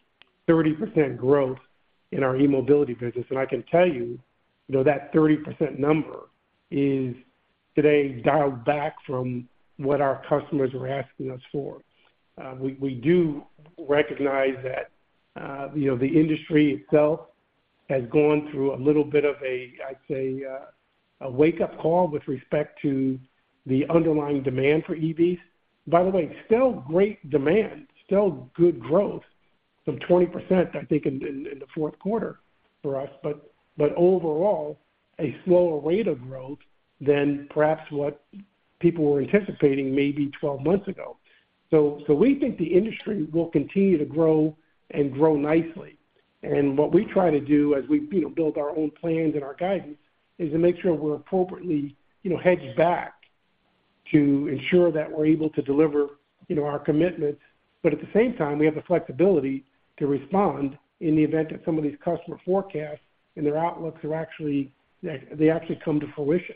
30% growth in our e-mobility business. And I can tell you, you know, that 30% number is today dialed back from what our customers are asking us for. We do recognize that, you know, the industry itself has gone through a little bit of a, I'd say, a wake-up call with respect to the underlying demand for EVs. By the way, still great demand, still good growth of 20%, I think, in the fourth quarter for us, but overall, a slower rate of growth than perhaps what people were anticipating maybe 12 months ago. We think the industry will continue to grow and grow nicely. What we try to do as we, you know, build our own plans and our guidance, is to make sure we're appropriately, you know, hedged back to ensure that we're able to deliver, you know, our commitments. But at the same time, we have the flexibility to respond in the event that some of these customer forecasts and their outlooks are actually come to fruition.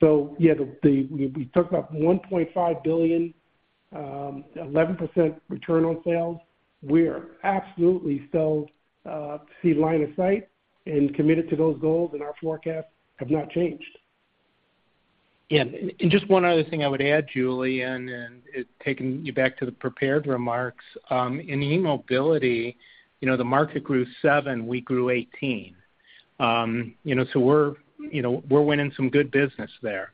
So yeah, we talked about $1.5 billion, 11% return on sales. We are absolutely still see line of sight and committed to those goals, and our forecasts have not changed. Yeah, and just one other thing I would add, Julian, and taking you back to the prepared remarks. In eMobility, you know, the market grew 7, we grew 18. You know, so we're, you know, we're winning some good business there.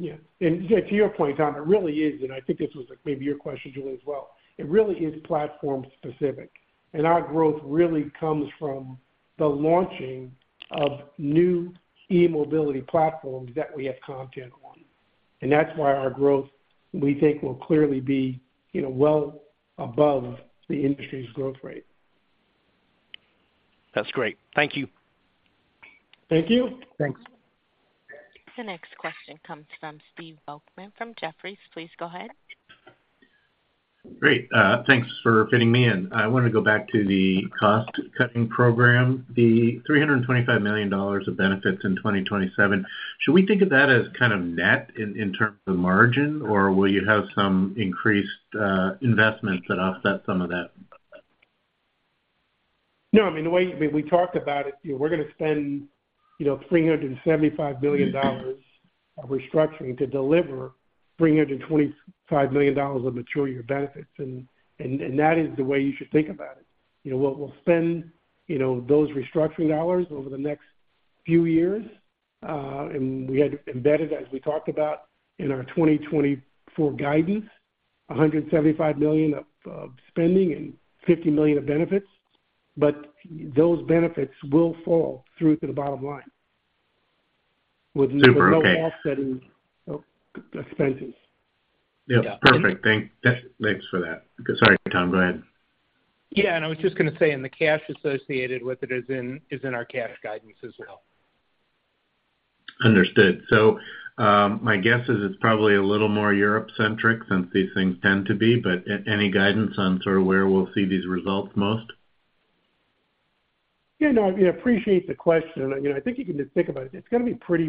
Yeah. And yeah, to your point, Tom, it really is, and I think this was maybe your question, Julian, as well. It really is platform specific, and our growth really comes from the launching of new e-mobility platforms that we have content on. And that's why our growth, we think, will clearly be, you know, well above the industry's growth rate. That's great. Thank you. Thank you. Thanks. The next question comes from Steve Volkmann from Jefferies. Please go ahead. Great, thanks for fitting me in. I want to go back to the cost-cutting program, the $325 million of benefits in 2027. Should we think of that as kind of net in, in terms of margin, or will you have some increased investments that offset some of that? No, I mean, the way, I mean, we talked about it, you know, we're gonna spend, you know, $375 million of restructuring to deliver $325 million of mature year benefits. And, and, and that is the way you should think about it. You know, we'll, we'll spend, you know, those restructuring dollars over the next few years. And we had embedded, as we talked about in our 2024 guidance, $175 million of spending and $50 million of benefits, but those benefits will fall through to the bottom line with- Super. Okay. No offsetting expenses. Yeah, perfect. Thanks for that. Sorry, Tom, go ahead. Yeah, and I was just gonna say, and the cash associated with it is in our cash guidance as well. Understood. So, my guess is it's probably a little more Europe-centric since these things tend to be, but any guidance on sort of where we'll see these results most? Yeah, no, I appreciate the question, and, you know, I think you can just think about it. It's gonna be pretty,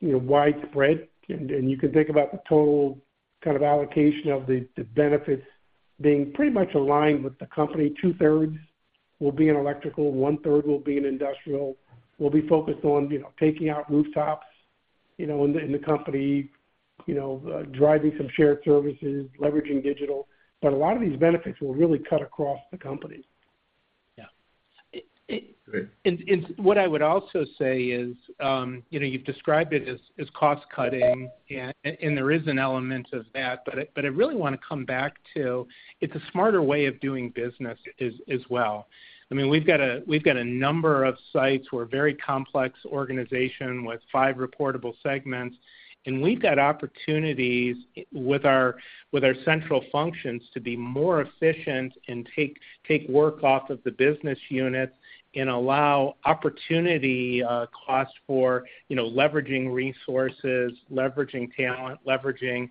you know, widespread, and, and you can think about the total kind of allocation of the, the benefits being pretty much aligned with the company. Two-thirds will be in Electrical, one-third will be in industrial. We'll be focused on, you know, taking out rooftops, you know, in the, in the company, you know, driving some shared services, leveraging digital. But a lot of these benefits will really cut across the company. Yeah. Great. What I would also say is, you know, you've described it as cost cutting, yeah, and there is an element of that, but I really want to come back to, it's a smarter way of doing business as well. I mean, we've got a number of sites. We're a very complex organization with five reportable segments, and we've got opportunities with our central functions to be more efficient and take work off of the business units and allow opportunity cost for, you know, leveraging resources, leveraging talent, leveraging,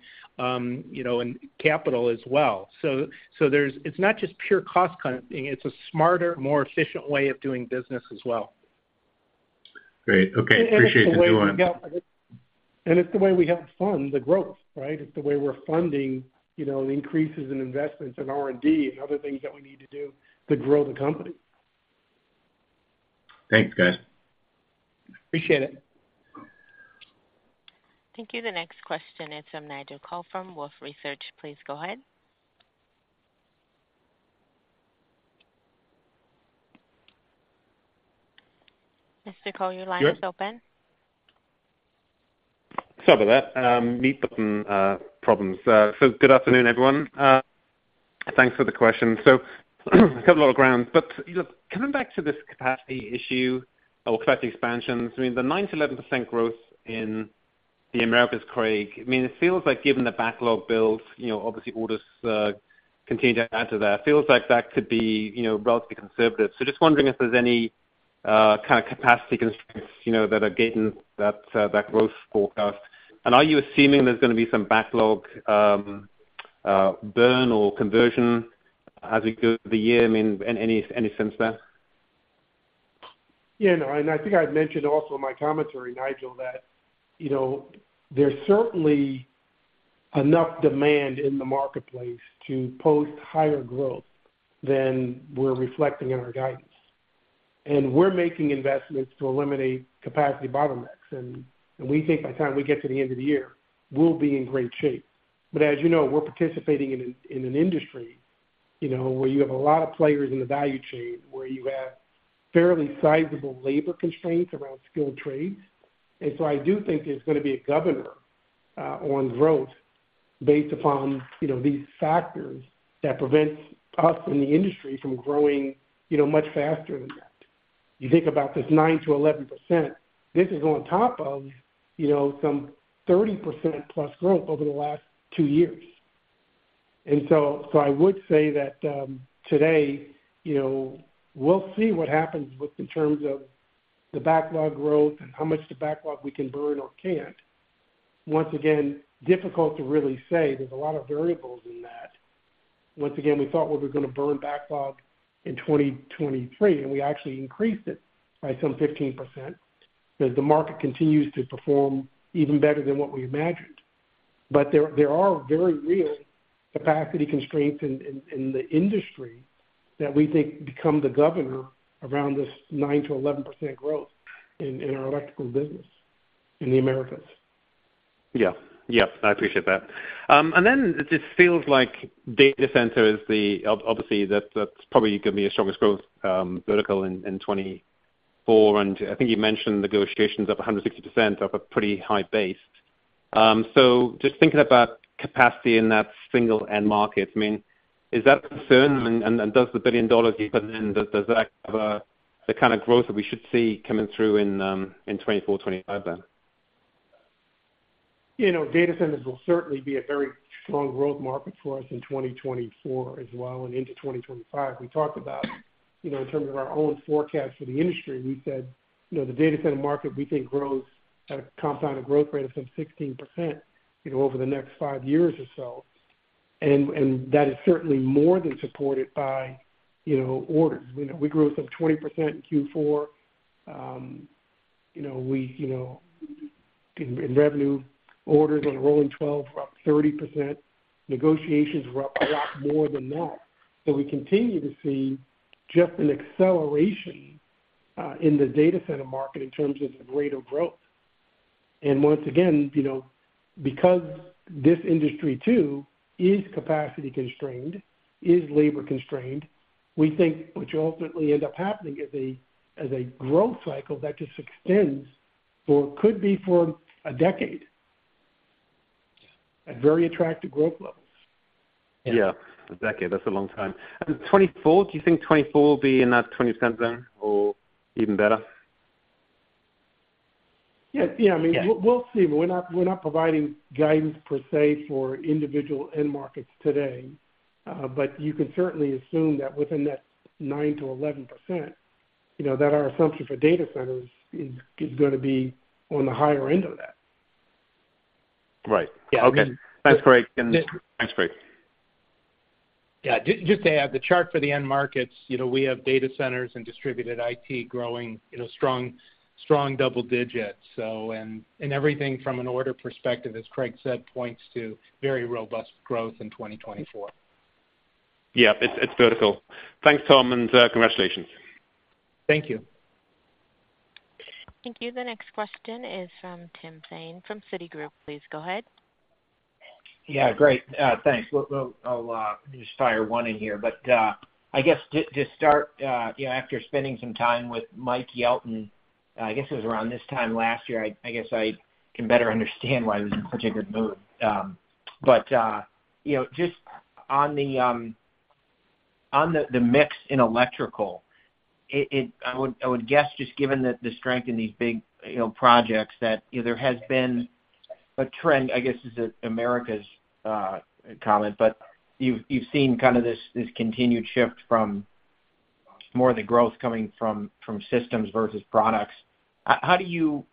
you know, and capital as well. So there's. It's not just pure cost cutting, it's a smarter, more efficient way of doing business as well. Great. Okay. Appreciate you doing. It's the way we help fund the growth, right? It's the way we're funding, you know, increases in investments in R&D and other things that we need to do to grow the company. Thanks, guys. Appreciate it. Thank you. The next question is from Nigel Coe from Wolfe Research. Please go ahead. Mr. Coe, your line is open. Sorry about that, mute button problems. So good afternoon, everyone. Thanks for the question. So cover a lot of ground, but, you know, coming back to this capacity issue or capacity expansions, I mean, the 9%-11% growth in the Americas, Craig, I mean, it feels like given the backlog build, you know, obviously orders continue to add to that. Feels like that could be, you know, relatively conservative. So just wondering if there's any kind of capacity constraints, you know, that are getting that growth forecast. And are you assuming there's gonna be some backlog burn or conversion as we go through the year? I mean, any sense there? Yeah, no, and I think I mentioned also in my commentary, Nigel, that, you know, there's certainly enough demand in the marketplace to post higher growth than we're reflecting in our guidance. And we're making investments to eliminate capacity bottlenecks, and we think by the time we get to the end of the year, we'll be in great shape. But as you know, we're participating in an industry, you know, where you have a lot of players in the value chain, where you have fairly sizable labor constraints around skilled trades. And so I do think there's gonna be a governor on growth based upon, you know, these factors that prevents us and the industry from growing, you know, much faster than that. You think about this 9%-11%, this is on top of, you know, some 30%+ growth over the last two years. And so I would say that, today, you know, we'll see what happens with, in terms of the backlog growth and how much the backlog we can burn or can't. Once again, difficult to really say. There's a lot of variables in that. Once again, we thought we were gonna burn backlog in 2023, and we actually increased it by some 15%, as the market continues to perform even better than what we imagined. But there are very real capacity constraints in the industry that we think become the governor around this 9%-11% growth in our Electrical business in the Americas. Yeah. Yep, I appreciate that. And then it just feels like data center is the obviously, that's, that's probably gonna be your strongest growth vertical in 2024. And I think you mentioned negotiations up 160% off a pretty high base. So just thinking about capacity in that single end market, I mean, is that a concern? And does the $1 billion deeper in, does that have the kind of growth that we should see coming through in 2040, 2045 then? You know, data centers will certainly be a very strong growth market for us in 2024 as well and into 2025. We talked about, you know, in terms of our own forecast for the industry, we said, you know, the data center market, we think, grows at a compound growth rate of some 16%, you know, over the next five years or so. And that is certainly more than supported by, you know, orders. You know, we grew some 20% in Q4. You know, we, you know, in revenue, orders on a rolling twelve were up 30%. Negotiations were up a lot more than that. So we continue to see just an acceleration in the data center market in terms of the rate of growth. Once again, you know, because this industry, too, is capacity constrained, is labor constrained, we think what you'll ultimately end up happening is a, as a growth cycle that just extends for, could be for a decade, at very attractive growth levels. Yeah, a decade, that's a long time. 2024, do you think 2024 will be in that 20% zone or even better? Yeah. Yeah, I mean- Yeah. We'll see. We're not providing guidance per se for individual end markets today. But you can certainly assume that within that 9%-11%, you know, that our assumption for data centers is gonna be on the higher end of that. Right. Yeah. Okay. That's great, and thanks, Craig. Yeah, just to add, the chart for the end markets, you know, we have data centers and distributed IT growing in a strong, strong double digits. So, and, and everything from an order perspective, as Craig said, points to very robust growth in 2024. Yeah, it's, it's vertical. Thanks, Tom, and congratulations. Thank you. Thank you. The next question is from Tim Thein from Citigroup. Please go ahead. Yeah, great. Thanks. I'll just fire one in here, but, I guess to start, you know, after spending some time with Mike Yelton, I guess it was around this time last year, I guess I can better understand why he was in such a good mood. But, you know, just on the mix in Electrical, it. I would guess, just given the strength in these big, you know, projects, that, you know, there has been a trend, I guess, this is Americas, but you've seen kind of this continued shift from more of the growth coming from systems versus products. How do you,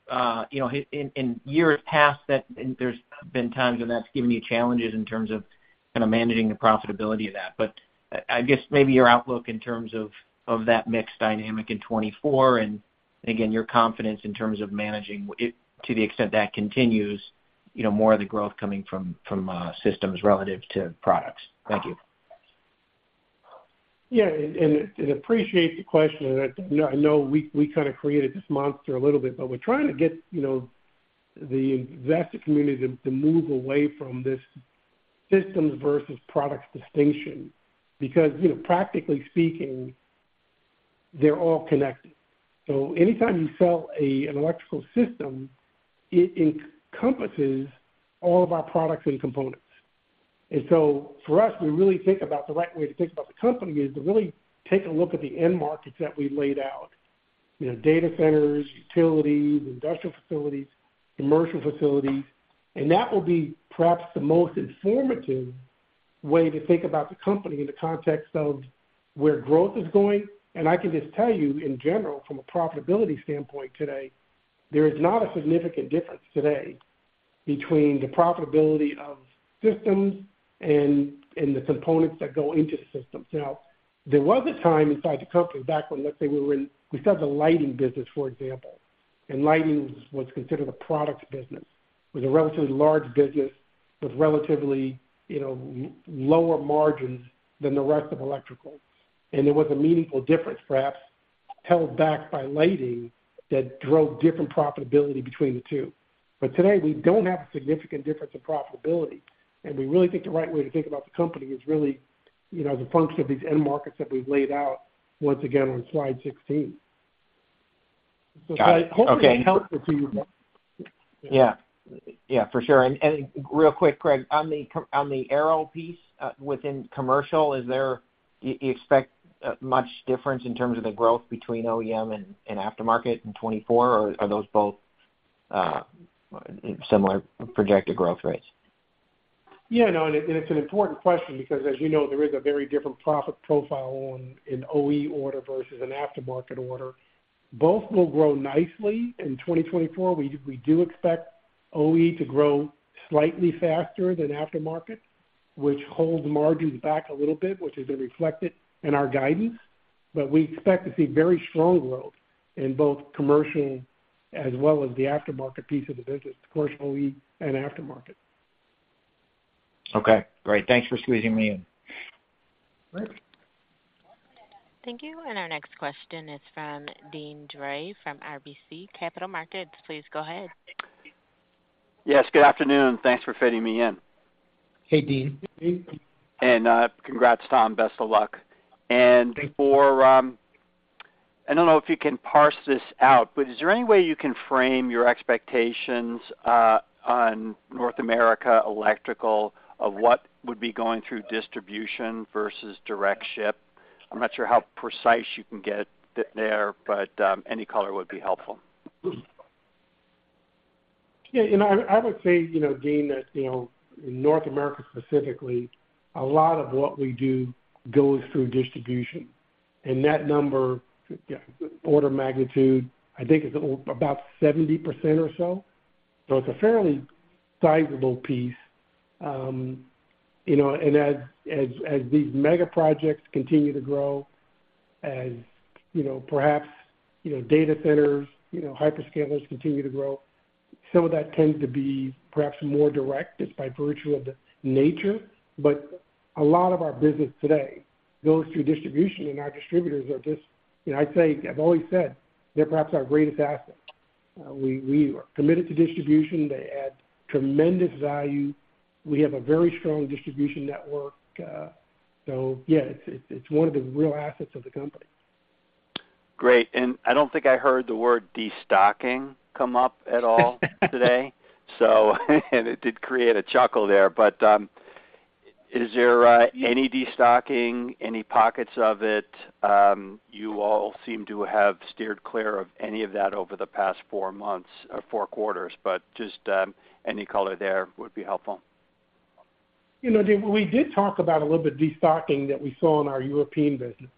you know, in years past that, there's been times when that's given you challenges in terms of kind of managing the profitability of that. But I guess maybe your outlook in terms of that mix dynamic in 2024, and again, your confidence in terms of managing it to the extent that continues, you know, more of the growth coming from systems relative to products. Thank you. Yeah, and appreciate the question. And I know we kind of created this monster a little bit, but we're trying to get, you know, the investor community to move away from this systems versus products distinction, because, you know, practically speaking, they're all connected. So anytime you sell an Electrical system, it encompasses all of our products and components. And so for us, we really think about the right way to think about the company is to really take a look at the end markets that we laid out. You know, data centers, utilities, industrial facilities, commercial facilities. And that will be perhaps the most informative way to think about the company in the context of where growth is going. And I can just tell you, in general, from a profitability standpoint today, there is not a significant difference today between the profitability of systems and the components that go into the systems. Now, there was a time inside the company, back when, let's say we were in—we started the lighting business, for example, and lighting was considered a products business. It was a relatively large business with relatively, you know, lower margins than the rest of Electrical. And there was a meaningful difference, perhaps, held back by lighting, that drove different profitability between the two. But today, we don't have a significant difference in profitability, and we really think the right way to think about the company is really, you know, the function of these end markets that we've laid out once again on slide 16. So hopefully it's helpful to you. Yeah. Yeah, for sure. Real quick, Craig, on the Aero piece within commercial, is there do you expect much difference in terms of the growth between OEM and aftermarket in 2024, or are those both similar projected growth rates? Yeah, no, and it's an important question because, as you know, there is a very different profit profile on an OE order versus an aftermarket order. Both will grow nicely in 2024. We do expect OE to grow slightly faster than aftermarket, which holds margins back a little bit, which has been reflected in our guidance. But we expect to see very strong growth in both commercial as well as the aftermarket piece of the business, commercial, OE, and aftermarket. Okay, great. Thanks for squeezing me in. Great. Thank you. And our next question is from Dean Dray from RBC Capital Markets. Please go ahead. Yes, good afternoon. Thanks for fitting me in. Hey, Dean. Congrats, Tom. Best of luck. Thank you. I don't know if you can parse this out, but is there any way you can frame your expectations on North America Electrical of what would be going through distribution versus direct ship? I'm not sure how precise you can get there, but any color would be helpful. Yeah, you know, I would say, you know, Dean, that, you know, in North America, specifically, a lot of what we do goes through distribution, and that number, order of magnitude, I think, is about 70% or so. So it's a fairly sizable piece. You know, and as these mega projects continue to grow, as, you know, perhaps, you know, data centers, you know, hyperscalers continue to grow, some of that tends to be perhaps more direct, just by virtue of the nature. But a lot of our business today goes through distribution, and our distributors are just-- You know, I'd say, I've always said, they're perhaps our greatest asset. We, we are committed to distribution. They add tremendous value. We have a very strong distribution network. So yeah, it's one of the real assets of the company. Great. I don't think I heard the word destocking come up at all today. So and it did create a chuckle there, but is there any destocking, any pockets of it? You all seem to have steered clear of any of that over the past four months, four quarters, but just any color there would be helpful. You know, Dean, we did talk about a little bit destocking that we saw in our European business,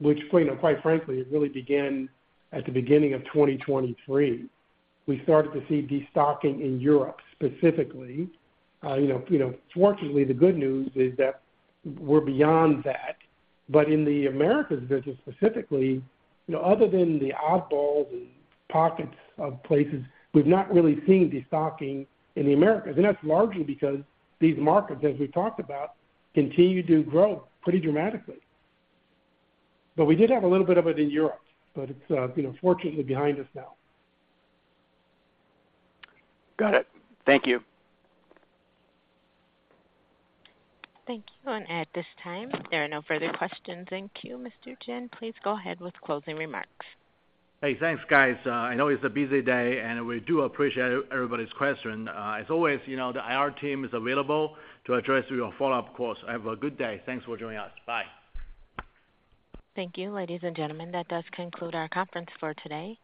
which, you know, quite frankly, it really began at the beginning of 2023. We started to see destocking in Europe, specifically. You know, you know, fortunately, the good news is that we're beyond that. But in the Americas business, specifically, you know, other than the oddballs and pockets of places, we've not really seen destocking in the Americas, and that's largely because these markets, as we talked about, continue to grow pretty dramatically. But we did have a little bit of it in Europe, but it's, you know, fortunately behind us now. Got it. Thank you. Thank you. At this time, there are no further questions. Thank you, Mr. Jin. Please go ahead with closing remarks. Hey, thanks, guys. I know it's a busy day, and we do appreciate everybody's question. As always, you know, the IR team is available to address your follow-up questions. Have a good day. Thanks for joining us. Bye. Thank you, ladies and gentlemen. That does conclude our conference for today.